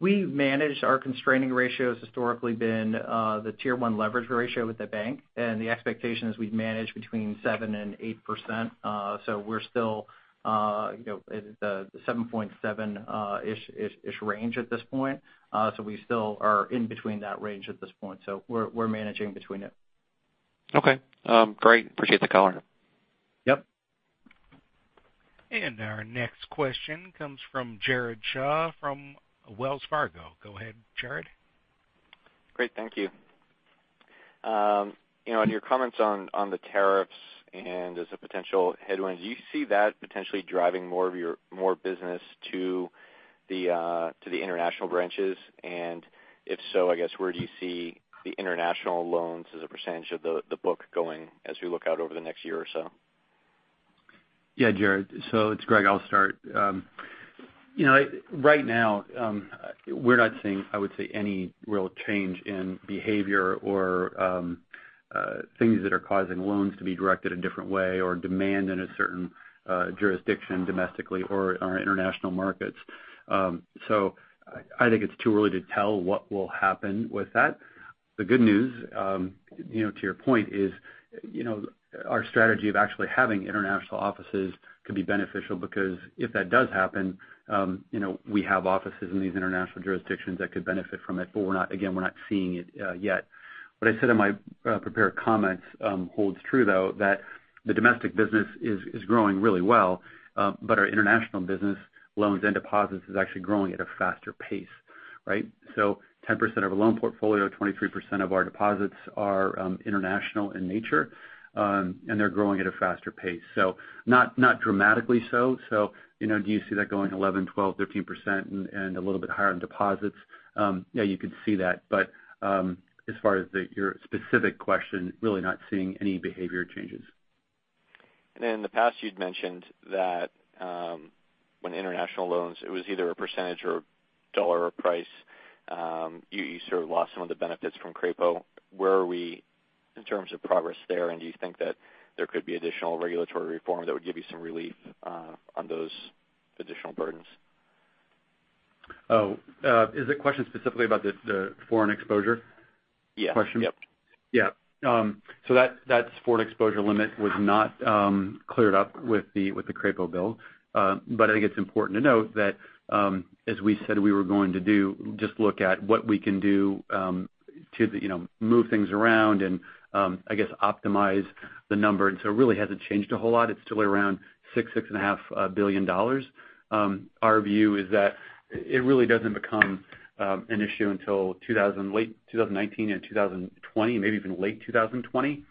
We managed our constraining ratios, historically been the tier 1 leverage ratio with the bank. The expectation is we'd manage between 7% and 8%. We're still at the 7.7-ish range at this point. We still are in between that range at this point. We're managing between it. Okay. Great. Appreciate the color. Yep. Our next question comes from Jared Shaw from Wells Fargo. Go ahead, Jared. Great. Thank you. In your comments on the tariffs as a potential headwind, do you see that potentially driving more business to the international branches? If so, I guess, where do you see the international loans as a percentage of the book going as we look out over the next year or so? Yeah, Jared. It's Greg, I'll start. Right now, we're not seeing, I would say, any real change in behavior or things that are causing loans to be directed a different way or demand in a certain jurisdiction domestically or our international markets. I think it's too early to tell what will happen with that. The good news, to your point, is our strategy of actually having international offices could be beneficial because if that does happen we have offices in these international jurisdictions that could benefit from it. Again, we're not seeing it yet. What I said in my prepared comments holds true, though, that the domestic business is growing really well. Our international business loans and deposits is actually growing at a faster pace. Right? 10% of our loan portfolio, 23% of our deposits are international in nature, and they're growing at a faster pace. Not dramatically so. Do you see that going 11, 12, 13% and a little bit higher on deposits? Yeah, you could see that. As far as your specific question, really not seeing any behavior changes. In the past you'd mentioned that when international loans, it was either a percentage or dollar or price. You sort of lost some of the benefits from Crapo. Where are we in terms of progress there, and do you think that there could be additional regulatory reform that would give you some relief on those additional burdens? Is the question specifically about the foreign exposure question? Yeah. Yeah. That foreign exposure limit was not cleared up with the Crapo Act. I think it's important to note that as we said we were going to do, just look at what we can do to move things around and, I guess, optimize the number. It really hasn't changed a whole lot. It's still around $6 billion to $6.5 billion. Our view is that it really doesn't become an issue until late 2019 and 2020, maybe even late 2020.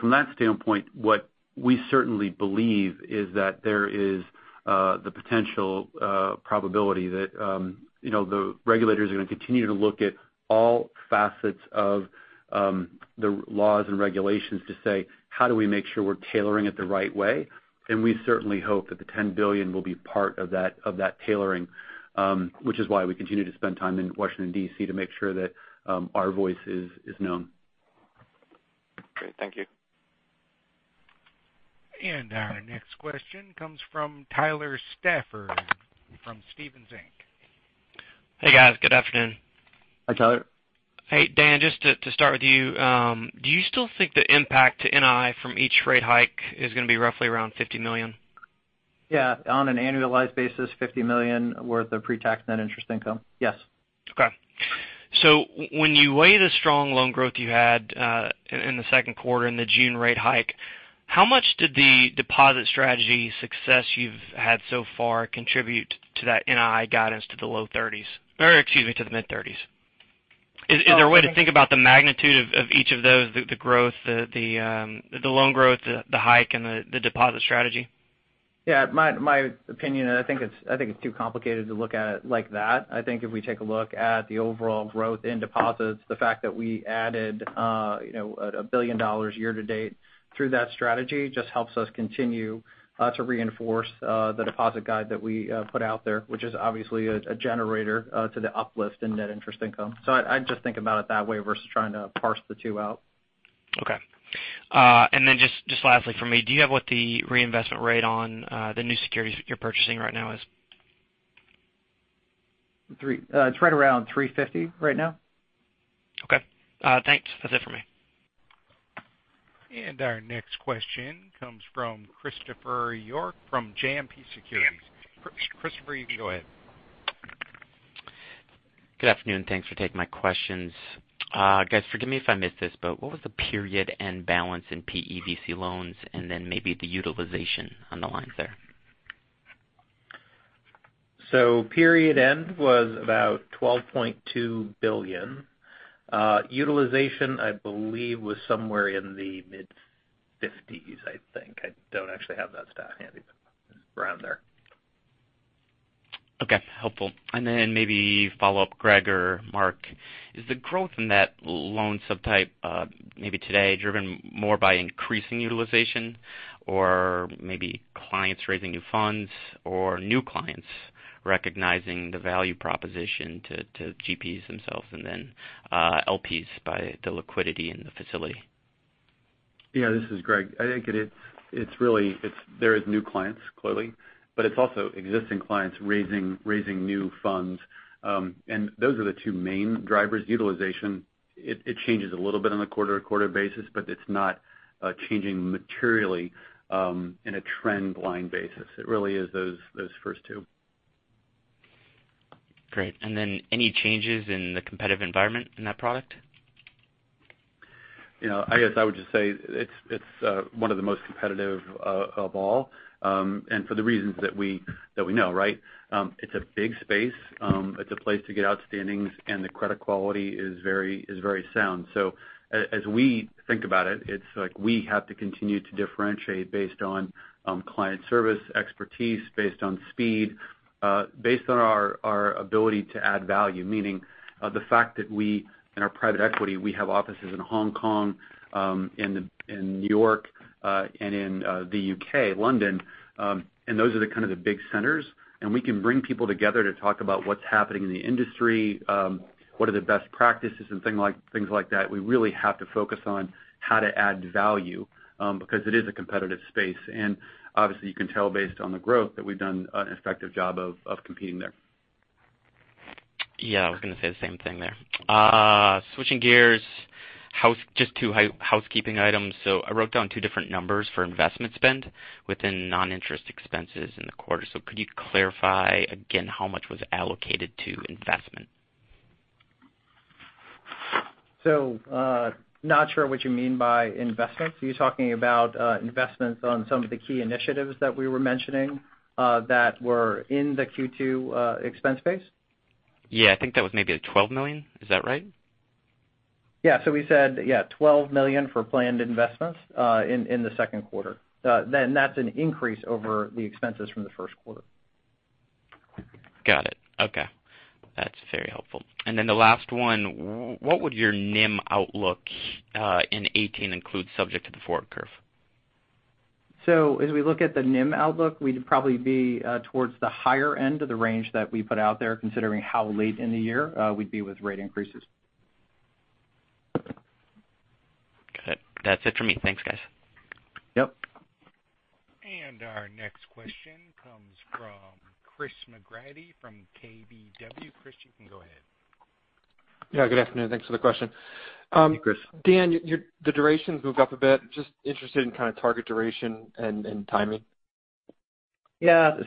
From that standpoint, what we certainly believe is that there is the potential probability that the regulators are going to continue to look at all facets of the laws and regulations to say, "How do we make sure we're tailoring it the right way?" We certainly hope that the $10 billion will be part of that tailoring, which is why we continue to spend time in Washington, D.C., to make sure that our voice is known. Great. Thank you. Our next question comes from Tyler Stafford from Stephens Inc. Hey, guys. Good afternoon. Hi, Tyler. Hey, Dan, just to start with you, do you still think the impact to NII from each rate hike is going to be roughly around $50 million? Yeah. On an annualized basis, $50 million worth of pre-tax net interest income. Yes. Okay. When you weigh the strong loan growth you had in the second quarter and the June rate hike, how much did the deposit strategy success you've had so far contribute to that NII guidance to the low 30s, or excuse me, to the mid-30s? Oh, okay. Is there a way to think about the magnitude of each of those, the growth, the loan growth, the hike, and the deposit strategy? Yeah. My opinion, I think it's too complicated to look at it like that. I think if we take a look at the overall growth in deposits, the fact that we added $1 billion year to date through that strategy just helps us continue to reinforce the deposit guide that we put out there, which is obviously a generator to the uplift in net interest income. I just think about it that way versus trying to parse the 2 out. Okay. Then just lastly from me, do you have what the reinvestment rate on the new securities you're purchasing right now is? It's right around 350 right now. Okay. Thanks. That's it for me. Our next question comes from Christopher York from JMP Securities. Christopher, you can go ahead. Good afternoon, thanks for taking my questions. Guys, forgive me if I missed this, what was the period end balance in PE VC loans, and then maybe the utilization on the lines there? Period end was about $12.2 billion. Utilization, I believe, was somewhere in the mid-50s, I think. I don't actually have that stat handy, around there. Okay, helpful. Then maybe follow up, Greg or Marc, is the growth in that loan subtype maybe today driven more by increasing utilization or maybe clients raising new funds or new clients recognizing the value proposition to GPs themselves and then LPs by the liquidity in the facility? Yeah, this is Greg. I think there is new clients clearly, it's also existing clients raising new funds. Those are the two main drivers. Utilization, it changes a little bit on a quarter-to-quarter basis, it's not changing materially in a trend line basis. It really is those first two. Great. Any changes in the competitive environment in that product? I guess I would just say it's one of the most competitive of all. For the reasons that we know, right? It's a big space. It's a place to get outstandings, and the credit quality is very sound. As we think about it's like we have to continue to differentiate based on client service expertise, based on speed, based on our ability to add value. Meaning, the fact that we, in our private equity, we have offices in Hong Kong, in New York, and in the U.K., London. Those are kind of the big centers. We can bring people together to talk about what's happening in the industry, what are the best practices and things like that. We really have to focus on how to add value, because it is a competitive space. Obviously you can tell based on the growth that we've done an effective job of competing there. Yeah, I was going to say the same thing there. Switching gears, just two housekeeping items. I wrote down two different numbers for investment spend within non-interest expenses in the quarter. Could you clarify again how much was allocated to investment? not sure what you mean by investment. Are you talking about investments on some of the key initiatives that we were mentioning that were in the Q2 expense base? Yeah, I think that was maybe at $12 million. Is that right? Yeah. We said, yeah, $12 million for planned investments in the second quarter. That's an increase over the expenses from the first quarter. Got it. Okay. That's very helpful. The last one, what would your NIM outlook in 2018 include subject to the forward curve? As we look at the NIM outlook, we'd probably be towards the higher end of the range that we put out there, considering how late in the year we'd be with rate increases. Got it. That's it for me. Thanks, guys. Yep. Our next question comes from Chris McGratty from KBW. Chris, you can go ahead. Yeah. Good afternoon. Thanks for the question. Hey, Chris. Dan, the duration's moved up a bit. Just interested in kind of target duration and timing. Yeah.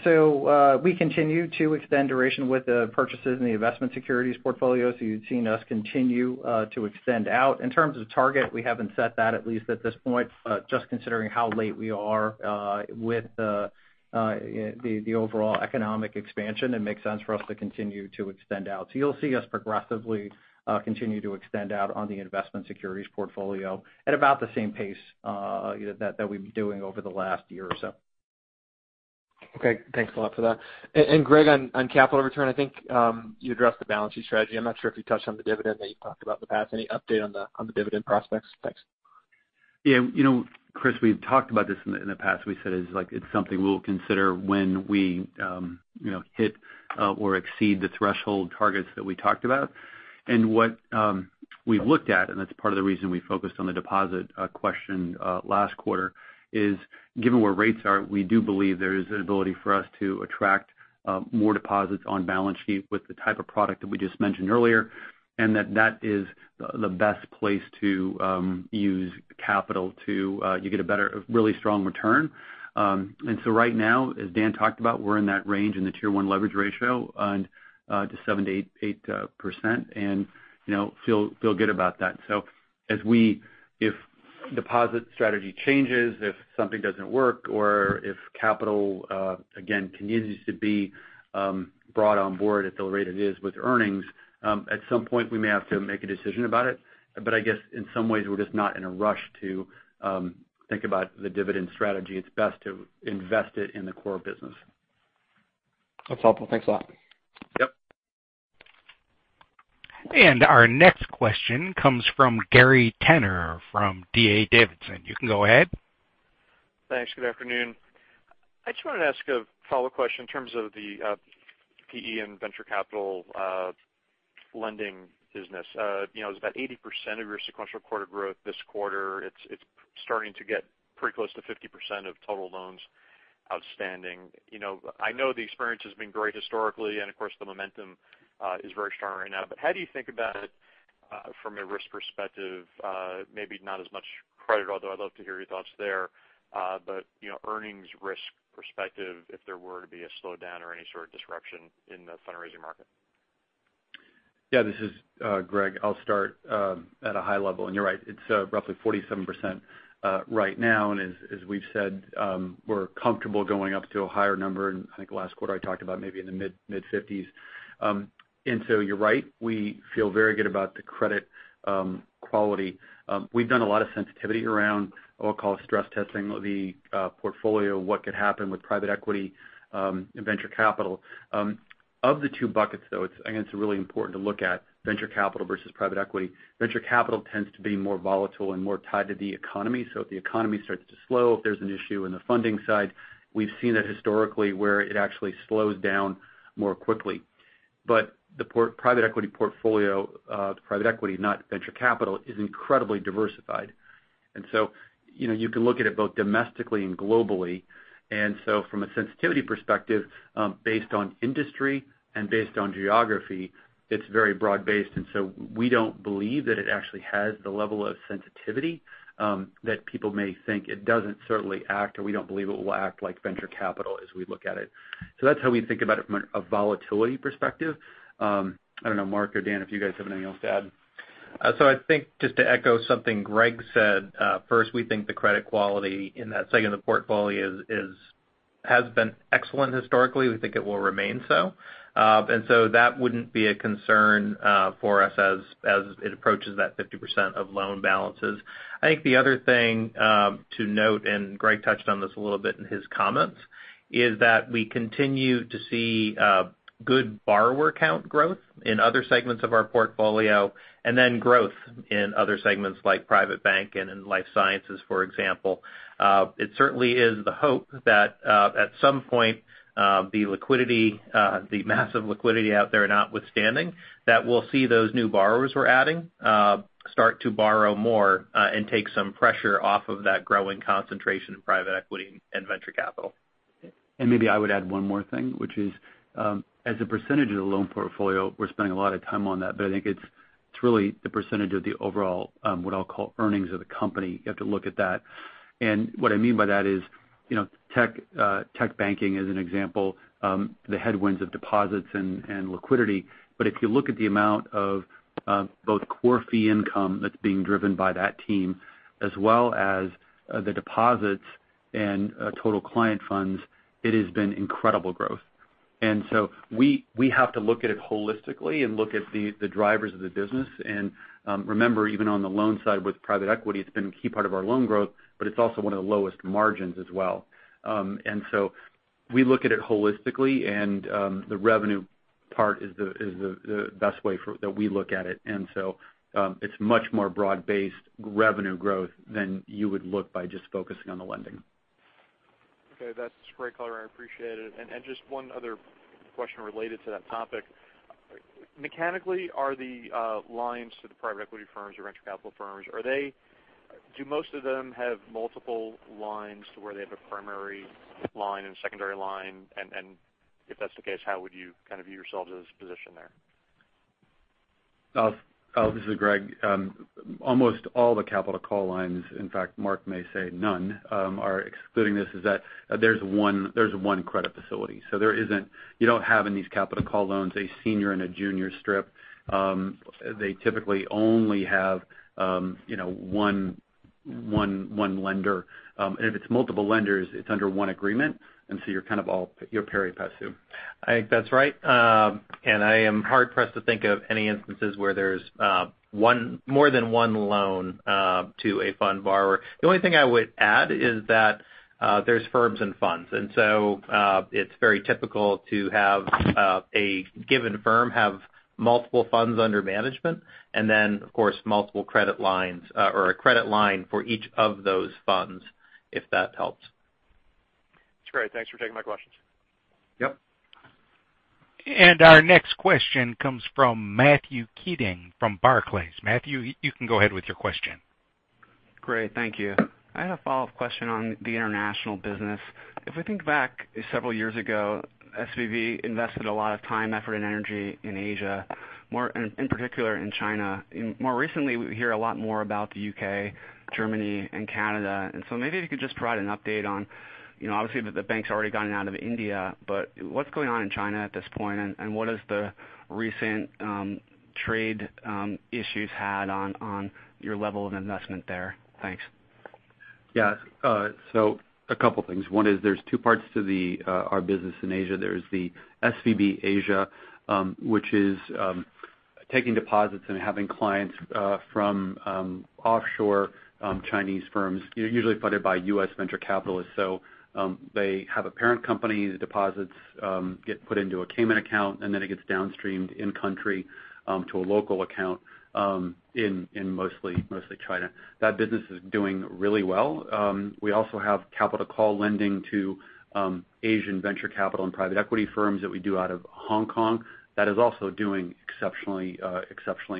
We continue to extend duration with the purchases in the investment securities portfolio. You've seen us continue to extend out. In terms of target, we haven't set that, at least at this point. Just considering how late we are with the overall economic expansion, it makes sense for us to continue to extend out. You'll see us progressively continue to extend out on the investment securities portfolio at about the same pace that we've been doing over the last year or so. Okay. Thanks a lot for that. Greg, on capital return, I think you addressed the balance sheet strategy. I'm not sure if you touched on the dividend that you've talked about in the past. Any update on the dividend prospects? Thanks. Chris, we've talked about this in the past. We said it's something we'll consider when we hit or exceed the threshold targets that we talked about. What we've looked at, and that's part of the reason we focused on the deposit question last quarter is, given where rates are, we do believe there is an ability for us to attract more deposits on balance sheet with the type of product that we just mentioned earlier, and that that is the best place to use capital to get a really strong return. Right now, as Dan talked about, we're in that range in the tier 1 leverage ratio to 7%-8%, and feel good about that. If deposit strategy changes, if something doesn't work, or if capital, again, continues to be brought on board at the rate it is with earnings, at some point we may have to make a decision about it. I guess in some ways we're just not in a rush to think about the dividend strategy. It's best to invest it in the core business. That's helpful. Thanks a lot. Yep. Our next question comes from Gary Tenner from D.A. Davidson. You can go ahead. Thanks. Good afternoon. I just wanted to ask a follow-up question in terms of the PE and venture capital lending business. It's about 80% of your sequential quarter growth this quarter. It's starting to get pretty close to 50% of total loans outstanding. I know the experience has been great historically, and of course, the momentum is very strong right now. How do you think about it from a risk perspective? Maybe not as much credit, although I'd love to hear your thoughts there, but earnings risk perspective, if there were to be a slowdown or any sort of disruption in the fundraising market. Yeah. This is Greg. I'll start at a high level. You're right, it's roughly 47% right now, and as we've said, we're comfortable going up to a higher number. I think last quarter I talked about maybe in the mid 50s. You're right, we feel very good about the credit quality. We've done a lot of sensitivity around what we call stress testing the portfolio, what could happen with private equity and venture capital. Of the two buckets though, I think it's really important to look at venture capital versus private equity. Venture capital tends to be more volatile and more tied to the economy. If the economy starts to slow, if there's an issue in the funding side, we've seen that historically where it actually slows down more quickly. The private equity portfolio, private equity, not venture capital, is incredibly diversified. You can look at it both domestically and globally. From a sensitivity perspective, based on industry and based on geography, it's very broad-based, and so we don't believe that it actually has the level of sensitivity that people may think. It doesn't certainly act, or we don't believe it will act like venture capital as we look at it. That's how we think about it from a volatility perspective. I don't know, Marc or Daniel, if you guys have anything else to add. I think just to echo something Greg said, first, we think the credit quality in that segment of the portfolio has been excellent historically. We think it will remain so. That wouldn't be a concern for us as it approaches that 50% of loan balances. I think the other thing to note, and Greg touched on this a little bit in his comments, is that we continue to see good borrower count growth in other segments of our portfolio, and then growth in other segments like private bank and in life sciences, for example. It certainly is the hope that at some point the massive liquidity out there notwithstanding, that we'll see those new borrowers we're adding start to borrow more and take some pressure off of that growing concentration in private equity and venture capital. Maybe I would add one more thing, which is, as a percentage of the loan portfolio, we're spending a lot of time on that, but I think it's really the percentage of the overall, what I'll call earnings of the company. You have to look at that. What I mean by that is tech banking as an example, the headwinds of deposits and liquidity. If you look at the amount of both core fee income that's being driven by that team, as well as the deposits and total client funds, it has been incredible growth. We have to look at it holistically and look at the drivers of the business. Remember, even on the loan side with private equity, it's been a key part of our loan growth, but it's also one of the lowest margins as well. We look at it holistically, and the revenue part is the best way that we look at it. It's much more broad-based revenue growth than you would look by just focusing on the lending. Okay. That's great color. I appreciate it. Just one other question related to that topic. Mechanically, are the lines to the private equity firms or venture capital firms, do most of them have multiple lines to where they have a primary line and secondary line? If that's the case, how would you kind of view yourselves as positioned there? This is Greg. Almost all the capital call lines, in fact, Marc may say none, are excluding this, is that there's one credit facility. You don't have in these capital call loans a senior and a junior strip. They typically only have one lender. If it's multiple lenders, it's under one agreement. You're kind of all pari passu. I think that's right. I am hard-pressed to think of any instances where there's more than one loan to a fund borrower. The only thing I would add is that there's firms and funds. It's very typical to have a given firm have multiple funds under management, then of course, multiple credit lines or a credit line for each of those funds, if that helps. That's great. Thanks for taking my questions. Yep. Our next question comes from Matthew Keating from Barclays. Matthew, you can go ahead with your question. Great. Thank you. I had a follow-up question on the international business. If we think back several years ago, SVB invested a lot of time, effort, and energy in Asia, in particular in China. More recently, we hear a lot more about the U.K., Germany, and Canada. Maybe if you could just provide an update on, obviously the bank's already gotten out of India, but what's going on in China at this point, and what has the recent trade issues had on your level of investment there? Thanks. Yes. A couple things. One, there's two parts to our business in Asia. There's the SVB Asia, which is taking deposits and having clients from offshore Chinese firms, usually funded by U.S. venture capitalists. They have a parent company, the deposits get put into a Cayman account, and then it gets downstreamed in-country to a local account in mostly China. That business is doing really well. We also have capital call lending to Asian venture capital and private equity firms that we do out of Hong Kong. That is also doing exceptionally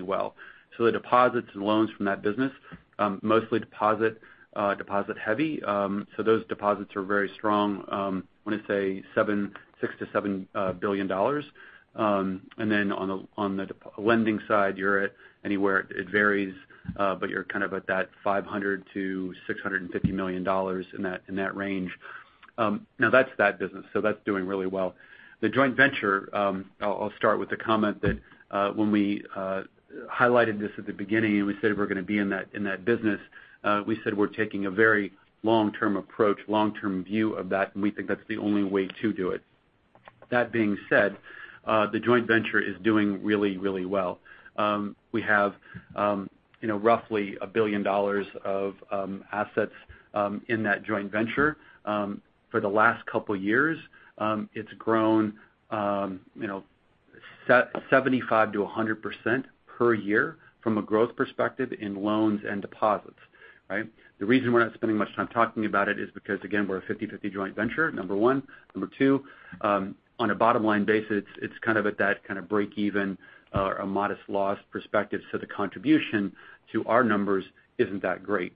well. The deposits and loans from that business, mostly deposit-heavy. Those deposits are very strong. I want to say $6 billion-$7 billion. On the lending side, it varies, but you're kind of at that $500 million-$650 million in that range. That's that business. That's doing really well. The joint venture, I'll start with the comment that when we highlighted this at the beginning and we said we're going to be in that business, we said we're taking a very long-term approach, long-term view of that, and we think that's the only way to do it. That being said, the joint venture is doing really well. We have roughly $1 billion of assets in that joint venture. For the last couple years, it's grown 75%-100% per year from a growth perspective in loans and deposits. The reason we're not spending much time talking about it is because, again, we're a 50/50 joint venture, number one. Number two, on a bottom-line basis, it's kind of at that kind of break even or a modest loss perspective. The contribution to our numbers isn't that great.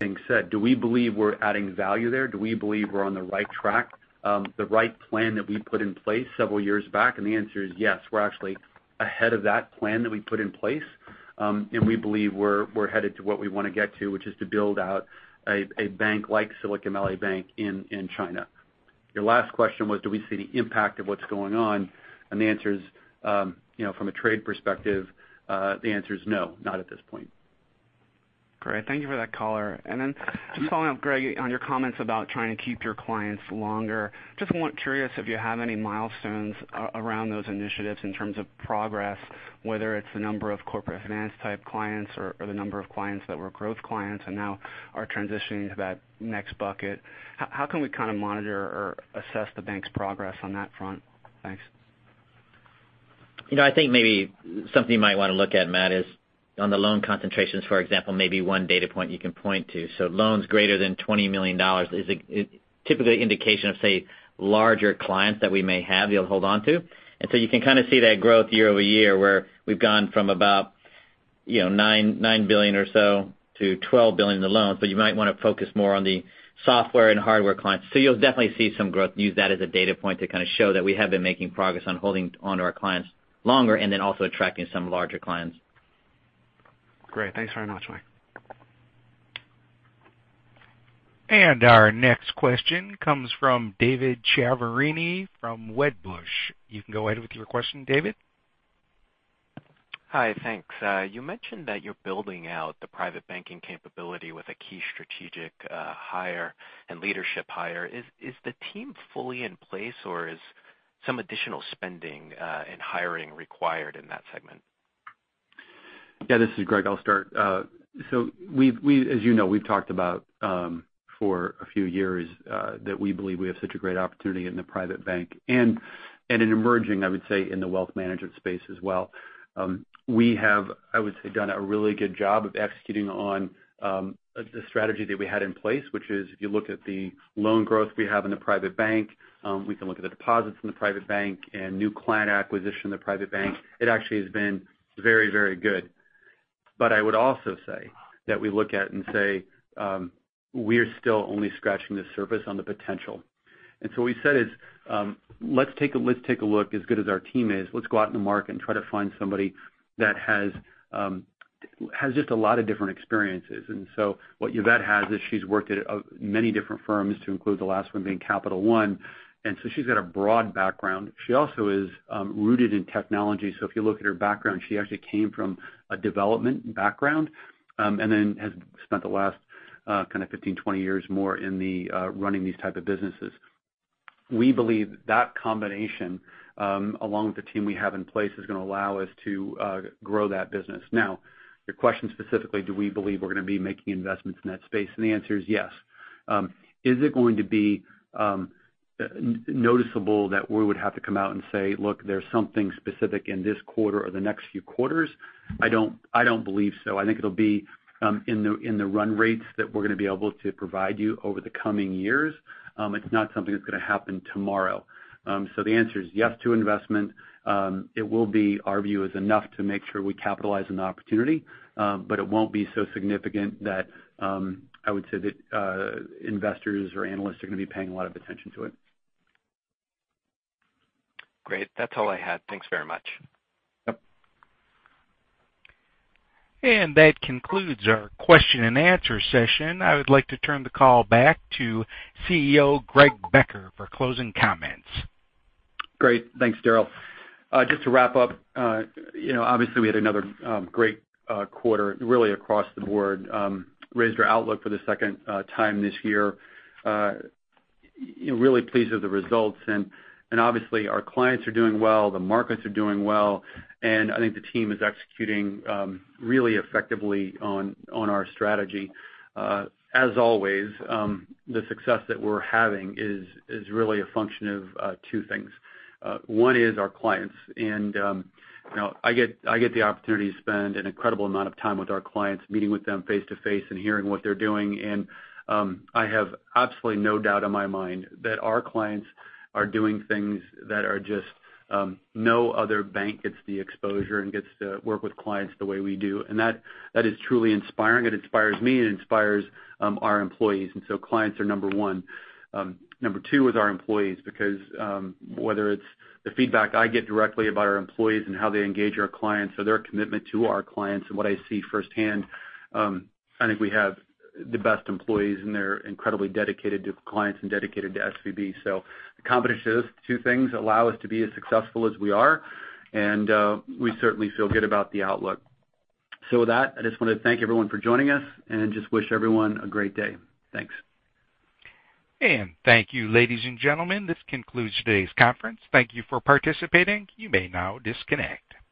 That being said, do we believe we're adding value there? Do we believe we're on the right track? The right plan that we put in place several years back? The answer is yes. We're actually ahead of that plan that we put in place. We believe we're headed to where we want to get to, which is to build out a bank like Silicon Valley Bank in China. Your last question was do we see the impact of what's going on? From a trade perspective, the answer is no, not at this point. Great. Thank you for that, call. Then just following up, Greg, on your comments about trying to keep your clients longer. Just curious if you have any milestones around those initiatives in terms of progress, whether it's the number of corporate finance type clients or the number of clients that were growth clients and now are transitioning to that next bucket. How can we kind of monitor or assess the bank's progress on that front? Thanks. I think maybe something you might want to look at, Matt, is on the loan concentrations, for example, maybe one data point you can point to. Loans greater than $20 million is typically an indication of, say, larger clients that we may have you'll hold onto. You can kind of see that growth year-over-year, where we've gone from about $9 billion or so to $12 billion in the loans. You might want to focus more on the software and hardware clients. You'll definitely see some growth. Use that as a data point to kind of show that we have been making progress on holding onto our clients longer and then also attracting some larger clients. Great. Thanks very much, Mike. Our next question comes from David Chiaverini from Wedbush. You can go ahead with your question, David. Hi. Thanks. You mentioned that you're building out the private banking capability with a key strategic hire and leadership hire. Is the team fully in place or is some additional spending and hiring required in that segment? This is Greg. I'll start. As you know, we've talked about for a few years that we believe we have such a great opportunity in the private bank and in emerging, I would say, in the wealth management space as well. We have, I would say, done a really good job of executing on the strategy that we had in place. If you look at the loan growth we have in the private bank, we can look at the deposits in the private bank and new client acquisition in the private bank. It actually has been very good. I would also say that we look at and say we are still only scratching the surface on the potential. What we said is let us take a look as good as our team is. Let's go out in the market and try to find somebody that has just a lot of different experiences. What Yvette has is she has worked at many different firms to include the last one being Capital One. She has got a broad background. She also is rooted in technology. If you look at her background, she actually came from a development background and then has spent the last kind of 15, 20 years more in the running these type of businesses. We believe that combination along with the team we have in place is going to allow us to grow that business. Now, your question specifically, do we believe we are going to be making investments in that space? The answer is yes. Is it going to be noticeable that we would have to come out and say, look, there is something specific in this quarter or the next few quarters? I do not believe so. I think it will be in the run rates that we are going to be able to provide you over the coming years. It is not something that is going to happen tomorrow. The answer is yes to investment. It will be our view is enough to make sure we capitalize on the opportunity. But it will not be so significant that I would say that investors or analysts are going to be paying a lot of attention to it. Great. That is all I had. Thanks very much. Yep. That concludes our question and answer session. I would like to turn the call back to CEO Greg Becker for closing comments. Great. Thanks, Darryl. Just to wrap up, obviously we had another great quarter really across the board. Raised our outlook for the second time this year. Really pleased with the results. Obviously our clients are doing well, the markets are doing well, and I think the team is executing really effectively on our strategy. As always the success that we are having is really a function of two things. One is our clients. I get the opportunity to spend an incredible amount of time with our clients, meeting with them face-to-face and hearing what they are doing. I have absolutely no doubt in my mind that our clients are doing things that are just no other bank gets the exposure and gets to work with clients the way we do. That is truly inspiring. It inspires me and it inspires our employees. Clients are number one. Number two is our employees because whether it's the feedback I get directly about our employees and how they engage our clients or their commitment to our clients and what I see firsthand, I think we have the best employees, and they're incredibly dedicated to clients and dedicated to SVB. A combination of those two things allow us to be as successful as we are, and we certainly feel good about the outlook. With that, I just want to thank everyone for joining us and just wish everyone a great day. Thanks. Thank you, ladies and gentlemen. This concludes today's conference. Thank you for participating. You may now disconnect.